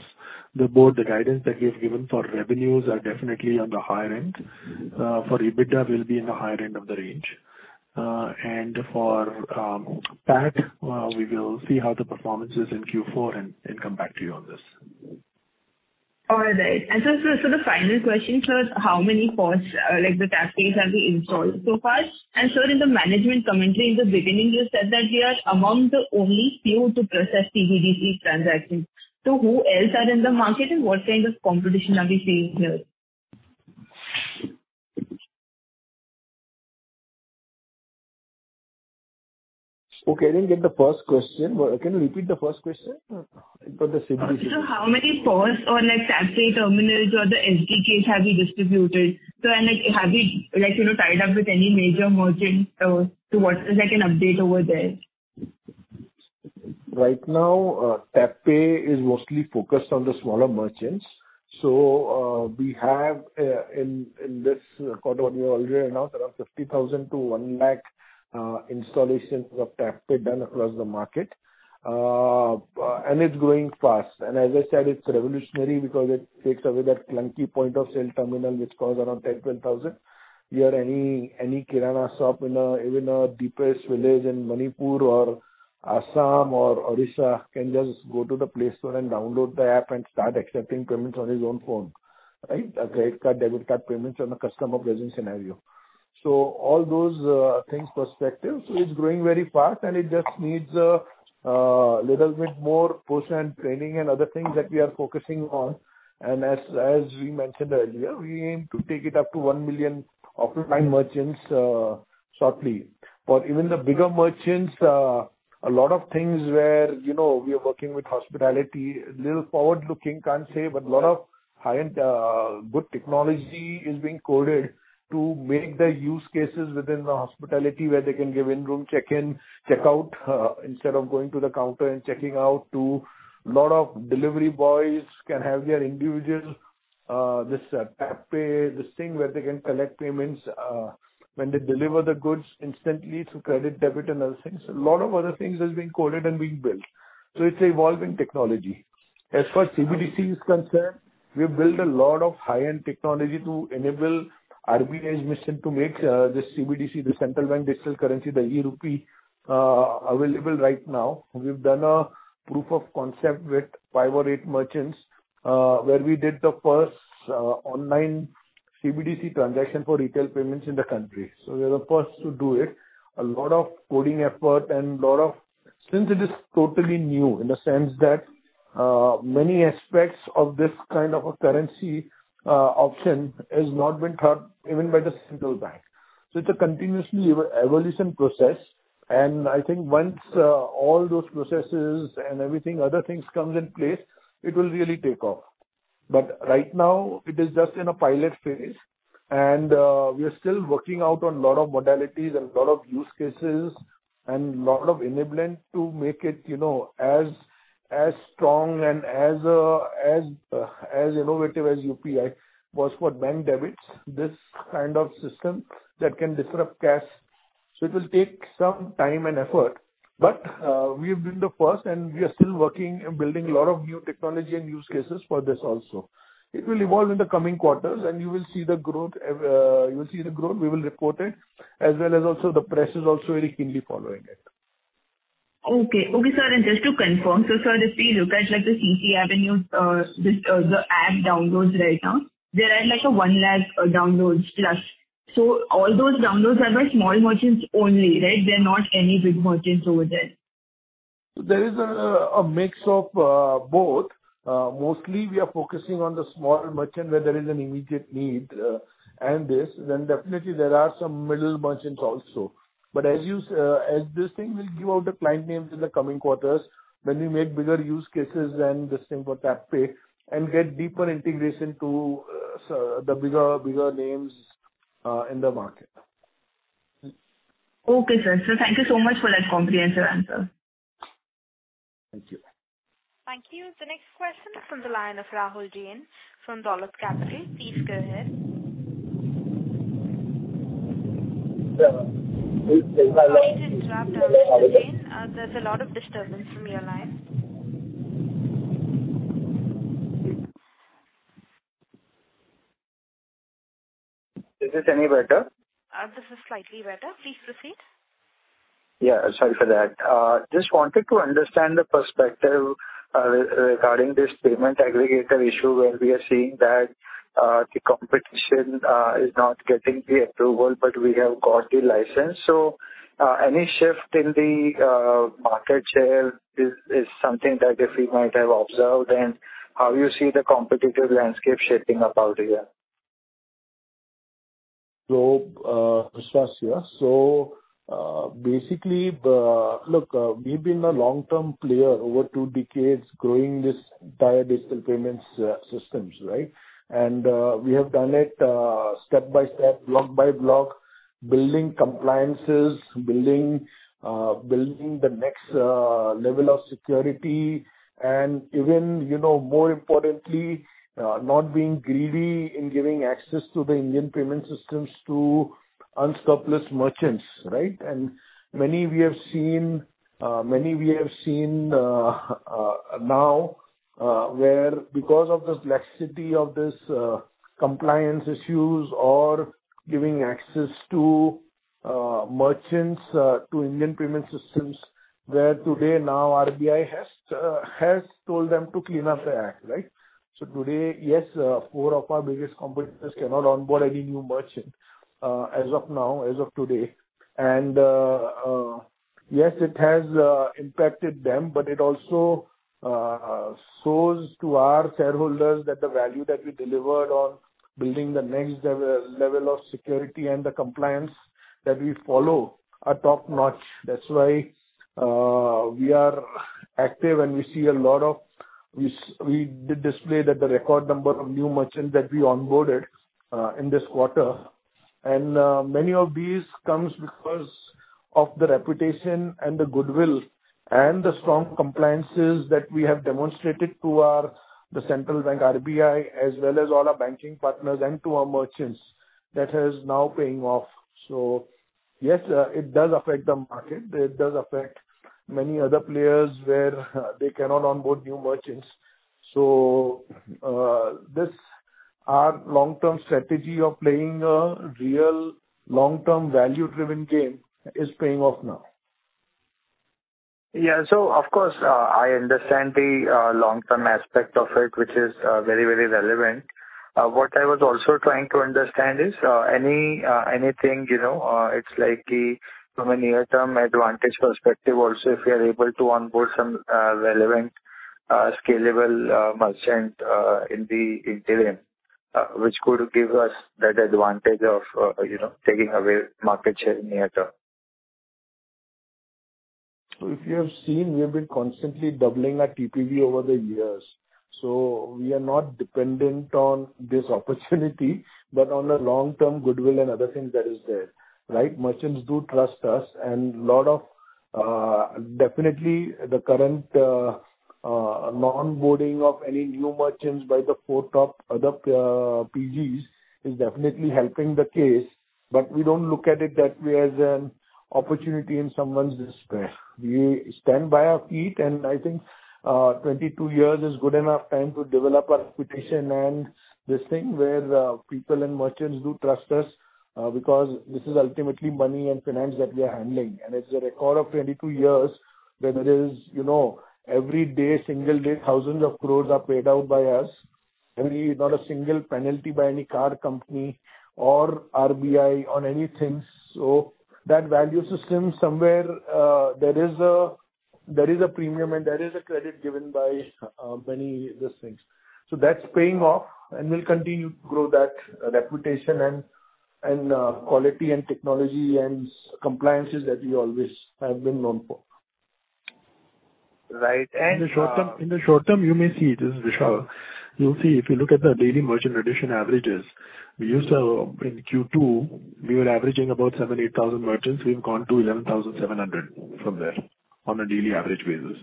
the board, the guidance that we have given for revenues are definitely on the higher end. For EBITDA, we'll be in the higher end of the range. For PAT, we will see how the performance is in Q4 and come back to you on this. All right. Just, sort of final question, sir. How many PoS, like the TapPay have we installed so far? Sir, in the management commentary in the beginning you said that we are among the only few to process CVV-free transactions. Who else are in the market and what kind of competition are we seeing here? I didn't get the first question. Can you repeat the first question for the simplicity? How many PoS or like TapPay terminals or the SDKs have you distributed? Like, have you like, you know, tied up with any major merchants or what is like an update over there? Right now, TapPay is mostly focused on the smaller merchants. We have in this quarter, we already announced around 50,000 to 1 lakh installations of TapPay done across the market. It's growing fast. As I said, it's revolutionary because it takes away that clunky point-of-sale terminal which costs around 10,000-12,000. Here any kirana shop in a even a deepest village in Manipur or Assam or Odisha can just go to the Play Store and download the app and start accepting payments on his own phone, right? A credit card, debit card payments on a customer present scenario. All those things perspective, it's growing very fast and it just needs a little bit more push and training and other things that we are focusing on. As we mentioned earlier, we aim to take it up to 1 million offline merchants shortly. For even the bigger merchants, a lot of things where, you know, we are working with hospitality, little forward-looking can't say, but a lot of high-end, good technology is being coded to make the use cases within the hospitality where they can give in-room check-in, check-out instead of going to the counter and checking out to a lot of delivery boys can have their individual This CCAvenue TapPay, this thing where they can collect payments when they deliver the goods instantly to credit, debit and other things. A lot of other things has been coded and being built. It's evolving technology. As far as CBDC is concerned, we've built a lot of high-end technology to enable RBI's mission to make this CBDC, the Central Bank Digital Currency, the eRupee, available right now. We've done a proof of concept with five or eight merchants, where we did the first online CBDC transaction for retail payments in the country. We are the first to do it. A lot of coding effort. Since it is totally new in the sense that many aspects of this kind of a currency option has not been thought even by the Central Bank. It's a continuously evolution process. I think once, all those processes and everything, other things comes in place, it will really take off. Right now it is just in a pilot phase and, we are still working out on lot of modalities and lot of use cases and lot of enablement to make it, you know, as strong and as innovative as UPI was for bank debits, this kind of system that can disrupt cash. It will take some time and effort, but, we have been the first and we are still working and building a lot of new technology and use cases for this also. It will evolve in the coming quarters and you will see the growth, we will report it. As well as also the press is also very keenly following it. Okay. Okay, sir. Just to confirm, sir, if we look at like the CCAvenue, this, the app downloads right now, there are like a 1 lakh downloads plus. All those downloads are by small merchants only, right? There are not any big merchants over there? There is a mix of both. Mostly we are focusing on the small merchant where there is an immediate need and this. Definitely there are some middle merchants also. As you as this thing will give out the client names in the coming quarters when we make bigger use cases and this thing for CCAvenue TapPay and get deeper integration to the bigger names in the market. Okay, sir. Thank you so much for that comprehensive answer. Thank you. Thank you. The next question is from the line of Rahul Jain from Dolat Capital. Please go ahead. Yeah. Please interrupt, Mr. Jain. There's a lot of disturbance from your line. Is this any better? This is slightly better. Please proceed. Yeah, sorry for that. just wanted to understand the perspective regarding this payment aggregator issue where we are seeing that the competition is not getting the approval, but we have got the license. Any shift in the market share is something that if we might have observed and how you see the competitive landscape shaping up out here? Krishna here. Look, we've been a long-term player over two decades growing this entire digital payments systems, right? We have done it step-by-step, block-by-block, building compliances, building the next level of security. Even, you know, more importantly, not being greedy in giving access to the Indian payment systems to unscrupulous merchants, right? Many we have seen, many we have seen now, where because of the laxity of this compliance issues or giving access to merchants to Indian payment systems, where today now RBI has told them to clean up their act, right? Today, yes, four of our biggest competitors cannot onboard any new merchant as of now, as of today. Yes, it has impacted them, but it also shows to our shareholders that the value that we delivered on building the next level of security and the compliance that we follow are top-notch. That's why we are active and we see a lot of... We did display that the record number of new merchant that we onboarded in this quarter. Many of these comes because of the reputation and the goodwill and the strong compliances that we have demonstrated to our, the Central Bank, RBI, as well as all our banking partners and to our merchants that is now paying off. Yes, it does affect the market. It does affect many other players where they cannot onboard new merchants. This, our long-term strategy of playing a real long-term value-driven game is paying off now. Yeah. Of course, I understand the long-term aspect of it, which is very, very relevant. What I was also trying to understand is any anything, you know, it's likely from a near-term advantage perspective also if we are able to onboard some relevant scalable merchant in the interim, which could give us that advantage of, you know, taking away market share near term. If you have seen, we have been constantly doubling our TPV over the years. We are not dependent on this opportunity, but on a long-term goodwill and other things that is there, right? Merchants do trust us, and a lot of, definitely the current non-boarding of any new merchants by the four top other PGs is definitely helping the case. We don't look at it that way as an opportunity in someone's distress. We stand by our feet, and I think 22 years is good enough time to develop our reputation and this thing where people and merchants do trust us because this is ultimately money and finance that we are handling. It's a record of 22 years, whether it is, you know, every day, single day, thousands of crores are paid out by us. We... Not a single penalty by any card company or RBI on anything. That value system, somewhere, there is a premium and there is a credit given by many of those things. That's paying off, and we'll continue to grow that reputation and quality and technology and compliances that we always have been known for. Right. In the short term, you may see. This is Vishal. You'll see, if you look at the daily merchant addition averages, we used to. In Q2, we were averaging about 7,000-8,000 merchants. We have gone to 11,700 from there on a daily average basis.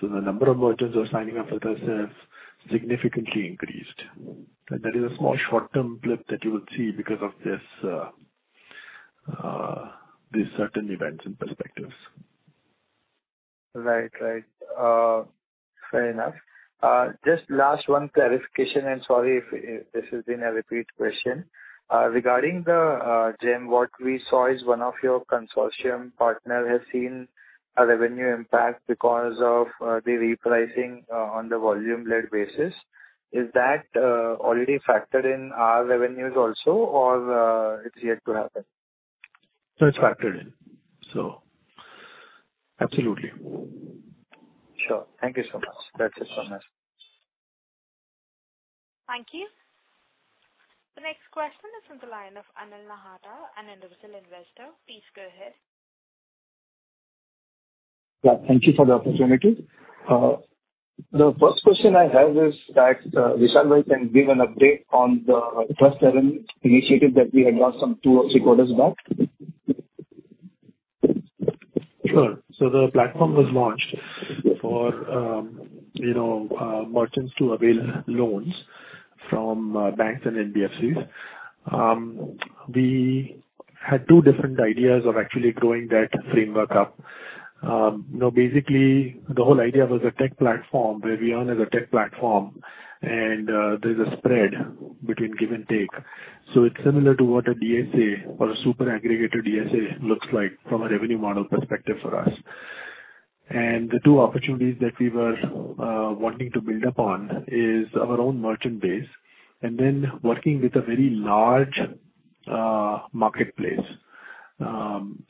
The number of merchants who are signing up with us has significantly increased. That is a small short-term blip that you will see because of this, these certain events and perspectives. Right. Right. Fair enough. Just last one clarification, sorry if this has been a repeat question. Regarding the GeM, what we saw is one of your consortium partner has seen a revenue impact because of the repricing on the volume-led basis. Is that already factored in our revenues also or it's yet to happen? No, it's factored in. Absolutely. Sure. Thank you so much. That's it from us. Thank you. The next question is from the line of Anil Nahata, an individual investor. Please go ahead. Yeah. Thank you for the opportunity. The first question I have is that, Vishal, if you can give an update on the TrustAvenue initiative that we had launched some two or three quarters back. Sure. The platform was launched for, you know, merchants to avail loans from banks and NBFCs. We had two different ideas of actually growing that framework up. Now basically, the whole idea was a tech platform where we own as a tech platform and there's a spread between give and take. It's similar to what a DSA or a super aggregator DSA looks like from a revenue model perspective for us. The two opportunities that we were wanting to build upon is our own merchant base and then working with a very large marketplace,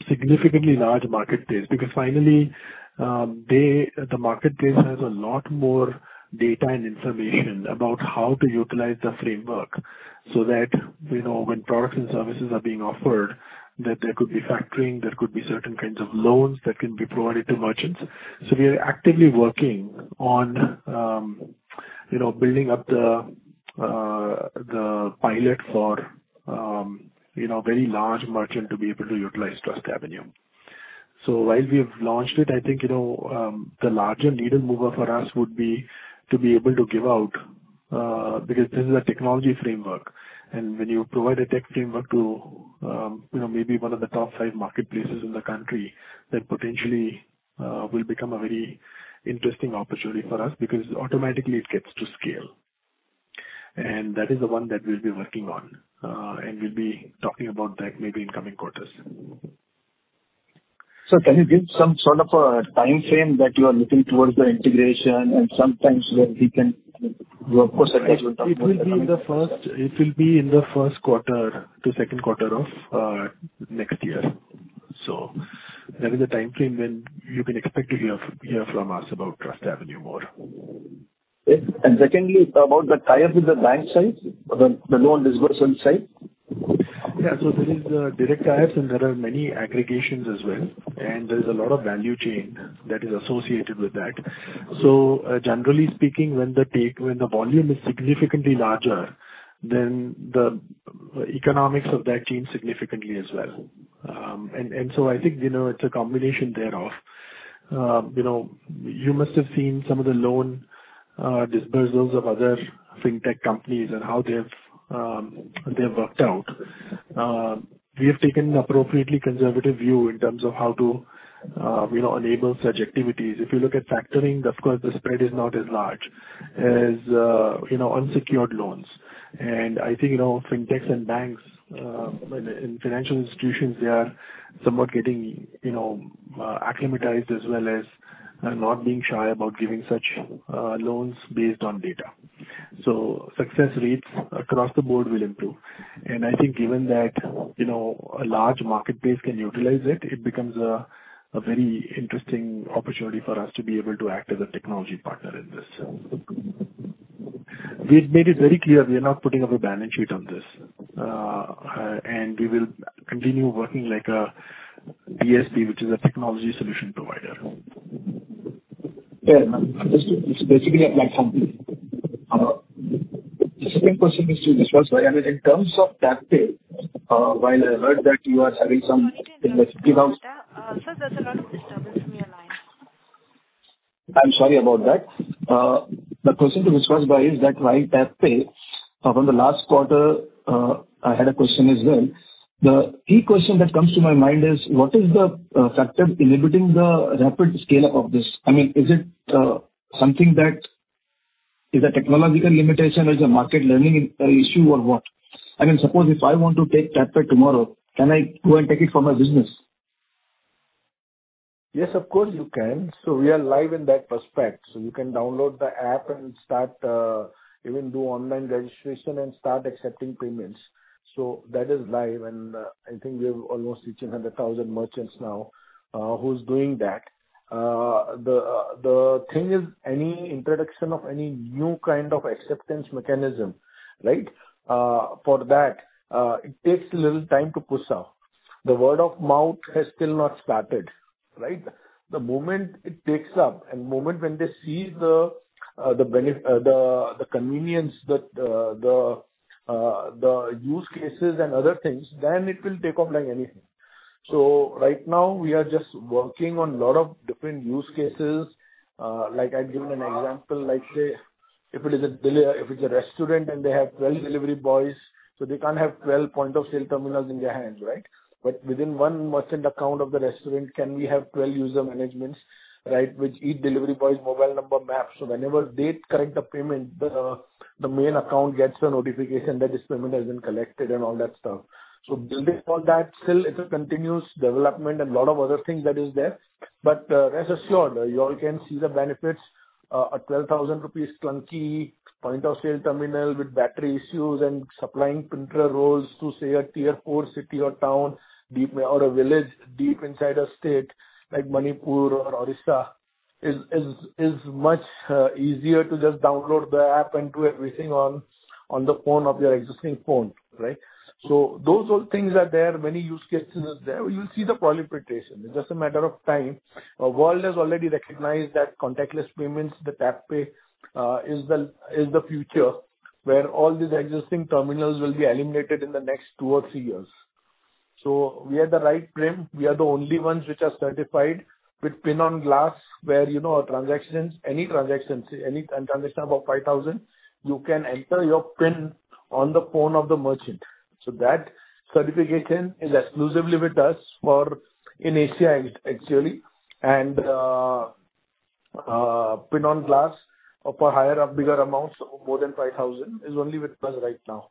significantly large marketplace. Finally, the marketplace has a lot more data and information about how to utilize the framework so that, you know, when products and services are being offered, that there could be factoring, there could be certain kinds of loans that can be provided to merchants. We are actively working on, you know, building up the pilot for, you know, very large merchant to be able to utilize TrustAvenue. While we have launched it, I think, you know, the larger needle mover for us would be to be able to give out because this is a technology framework. When you provide a tech framework to, you know, maybe one of the top five marketplaces in the country, that potentially will become a very interesting opportunity for us because automatically it gets to scale. That is the one that we'll be working on, and we'll be talking about that maybe in coming quarters. Can you give some sort of a timeframe that you are looking towards the integration and sometimes when we can? It will be in the first quarter to second quarter of next year. That is the timeframe when you can expect to hear from us about TrustAvenue more. Okay. Secondly, about the tie-up with the bank side, the loan dispersal side. Yeah. There is direct tie-ups and there are many aggregations as well, and there's a lot of value chain that is associated with that. Generally speaking, when the volume is significantly larger, then the economics of that change significantly as well. I think, you know, it's a combination thereof. You know, you must have seen some of the loan disbursements of other fintech companies and how they've worked out. We have taken appropriately conservative view in terms of how to, you know, enable such activities. If you look at factoring, of course, the spread is not as large as, you know, unsecured loans. I think, you know, fintechs and banks, and financial institutions, they are somewhat getting, acclimatized as well as, not being shy about giving such, loans based on data. Success rates across the board will improve. I think given that, a large marketplace can utilize it becomes a very interesting opportunity for us to be able to act as a technology partner in this. We've made it very clear we are not putting up a balance sheet on this. And we will continue working like a DSP, which is a technology solution provider. Yeah. Just it's basically a platform. The second question is to Vishwas. I mean, in terms of CCAvenue TapPay, while I heard that you are having some Sir, there's a lot of disturbance from your line. I'm sorry about that. The question to Vishwas is that while CCAvenue TapPay, from the last quarter, I had a question as well. The key question that comes to my mind is what is the factor inhibiting the rapid scale-up of this? I mean, is it something that is a technological limitation or is a market learning issue or what? I mean, suppose if I want to take CCAvenue TapPay tomorrow, can I go and take it for my business? Yes, of course you can. We are live in that respect. You can download the app and start, even do online registration and start accepting payments. That is live and I think we have almost reaching 100,000 merchants now, who's doing that. The thing is any introduction of any new kind of acceptance mechanism, right? For that, it takes a little time to push off. The word of mouth has still not started, right? The moment it takes up and moment when they see the convenience that the use cases and other things, then it will take off like anything. Right now we are just working on lot of different use cases. like I've given an example, like say if it is a restaurant and they have 12 delivery boys, they can't have 12 point of sale terminals in their hands, right? Within one merchant account of the restaurant can we have 12 user managements, right? Which each delivery boy's mobile number maps. Whenever they collect the payment, the main account gets a notification that this payment has been collected and all that stuff. Building for that still it's a continuous development and lot of other things that is there. Rest assured you all can see the benefits, an 12,000 rupees clunky point of sale terminal with battery issues and supplying printer rolls to say a tier four city or town deep. Or a village deep inside a state like Manipur or Odisha is much easier to just download the app and do everything on the phone of your existing phone, right? Those all things are there, many use cases is there. You'll see the proliferation. It's just a matter of time. World has already recognized that contactless payments, the CCAvenue TapPay, is the future where all these existing terminals will be eliminated in the next two or three years. We are the right frame. We are the only ones which are certified with PIN on Glass, where, you know, our transactions, any transactions, any transaction above 5,000, you can enter your PIN on the phone of the merchant. That certification is exclusively with us for in Asia actually and PIN on Glass for higher or bigger amounts of more than 5,000 is only with us right now.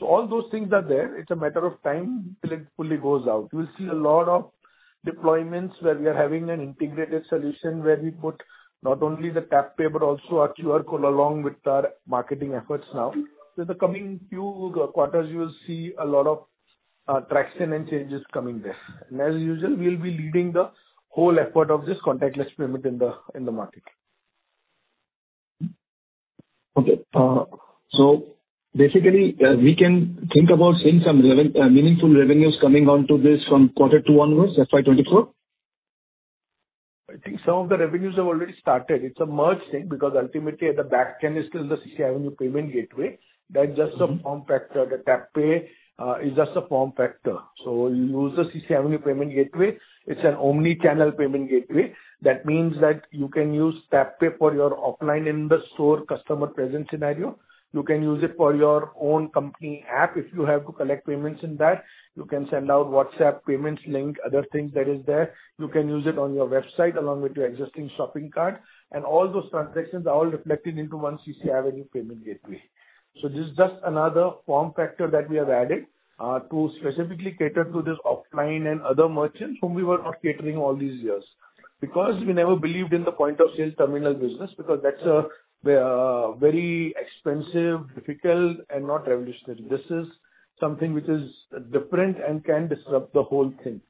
All those things are there. It's a matter of time till it fully goes out. You will see a lot of deployments where we are having an integrated solution where we put not only the CCAvenue TapPay but also our QR code along with our marketing efforts now. In the coming few quarters you will see a lot of traction and changes coming there. As usual, we'll be leading the whole effort of this contactless payment in the market. Okay. Basically, we can think about seeing some meaningful revenues coming onto this from Q2 onwards, FY 2024? I think some of the revenues have already started. It's a merged thing because ultimately at the back end is still the CCAvenue payment gateway. That's just a form factor. The TapPay is just a form factor. So you use the CCAvenue payment gateway. It's an omnichannel payment gateway. That means that you can use TapPay for your offline in the store customer presence scenario. You can use it for your own company app if you have to collect payments in that. You can send out WhatsApp payments link, other things that is there. You can use it on your website along with your existing shopping cart. All those transactions are all reflected into one CCAvenue payment gateway. This is just another form factor that we have added to specifically cater to this offline and other merchants whom we were not catering all these years. We never believed in the point of sale terminal business because that's a very expensive, difficult and not revolutionary. This is something which is different and can disrupt the whole thing.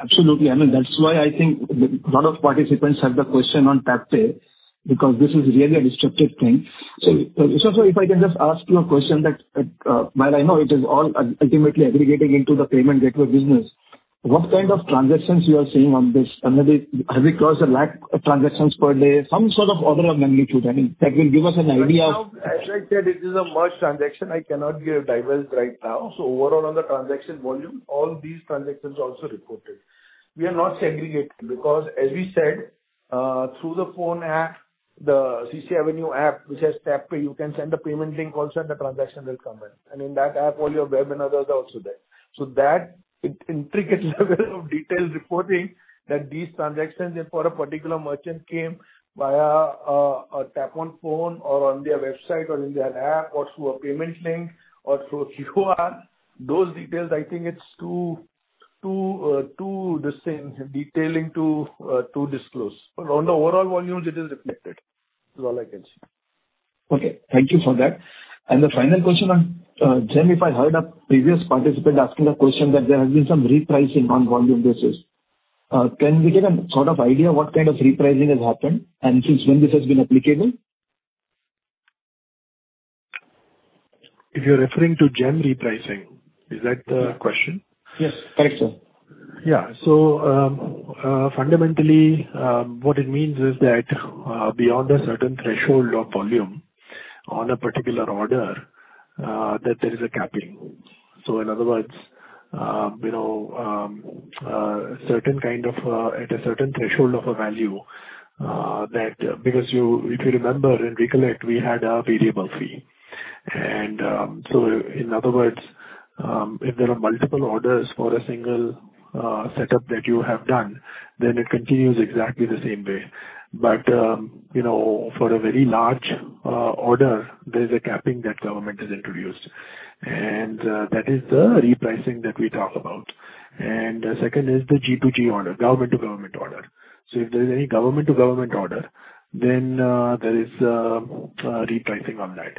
Absolutely. I mean that's why I think lot of participants have the question on CCAvenue TapPay because this is really a disruptive thing. If I can just ask you a question that, while I know it is all ultimately aggregating into the payment gateway business, what kind of transactions you are seeing on this? I mean, have you crossed 1 lakh transactions per day? Some sort of order of magnitude, I mean, that will give us an idea of- As I said, this is a merged transaction. I cannot give a diverse right now. Overall on the transaction volume, all these transactions are also reported. We are not segregating because as we said, through the phone app, the CCAvenue app, which has TapPay, you can send a payment link also and the transaction will come in. In that app all your web and others are also there. That intricate level of detail reporting that these transactions for a particular merchant came via a tap on phone or on their website or in their app or through a payment link or through QR, those details I think it's too the same, detailing to disclose. On the overall volumes it is reflected. Is all I can say. Okay, thank you for that. The final question on GeM, if I heard a previous participant asking a question that there has been some repricing on volume basis. Can we get a sort of idea what kind of repricing has happened and since when this has been applicable? If you're referring to GeM repricing, is that the question? Yes. Correct, sir. Yeah. Fundamentally, what it means is that beyond a certain threshold or volume on a particular order, that there is a capping. In other words, certain kind of at a certain threshold of a value, that because if you remember and recollect, we had a variable fee. In other words, if there are multiple orders for a single setup that you have done, then it continues exactly the same way. For a very large order, there's a capping that government has introduced, and that is the repricing that we talk about. Second is the G2G order, government-to-government order. If there's any government-to-government order, then there is repricing on that.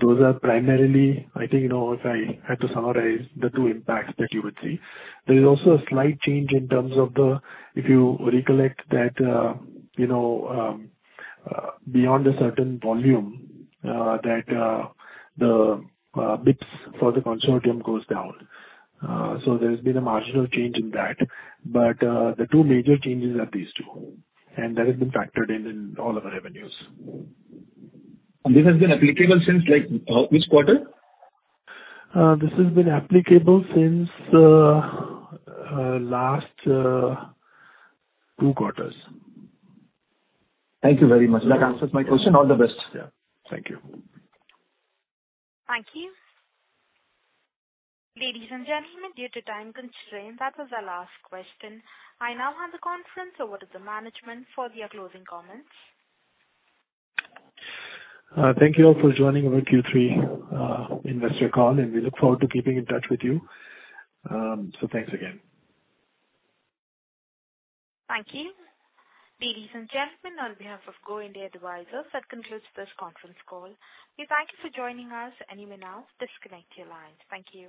Those are primarily, I think, you know, if I had to summarize the two impacts that you would see. There is also a slight change in terms of the, if you recollect that, you know, beyond a certain volume, that the bids for the consortium goes down. There's been a marginal change in that. The two major changes are these two, and that has been factored in in all of our revenues. This has been applicable since, like, which quarter? This has been applicable since last two quarters. Thank you very much. That answers my question. All the best. Yeah. Thank you. Thank you. Ladies and gentlemen, due to time constraint, that was our last question. I now hand the conference over to the management for their closing comments. Thank you all for joining our Q3, investor call, and we look forward to keeping in touch with you. Thanks again. Thank you. Ladies and gentlemen, on behalf of Go India Advisors, that concludes this conference call. We thank you for joining us, and you may now disconnect your lines. Thank you.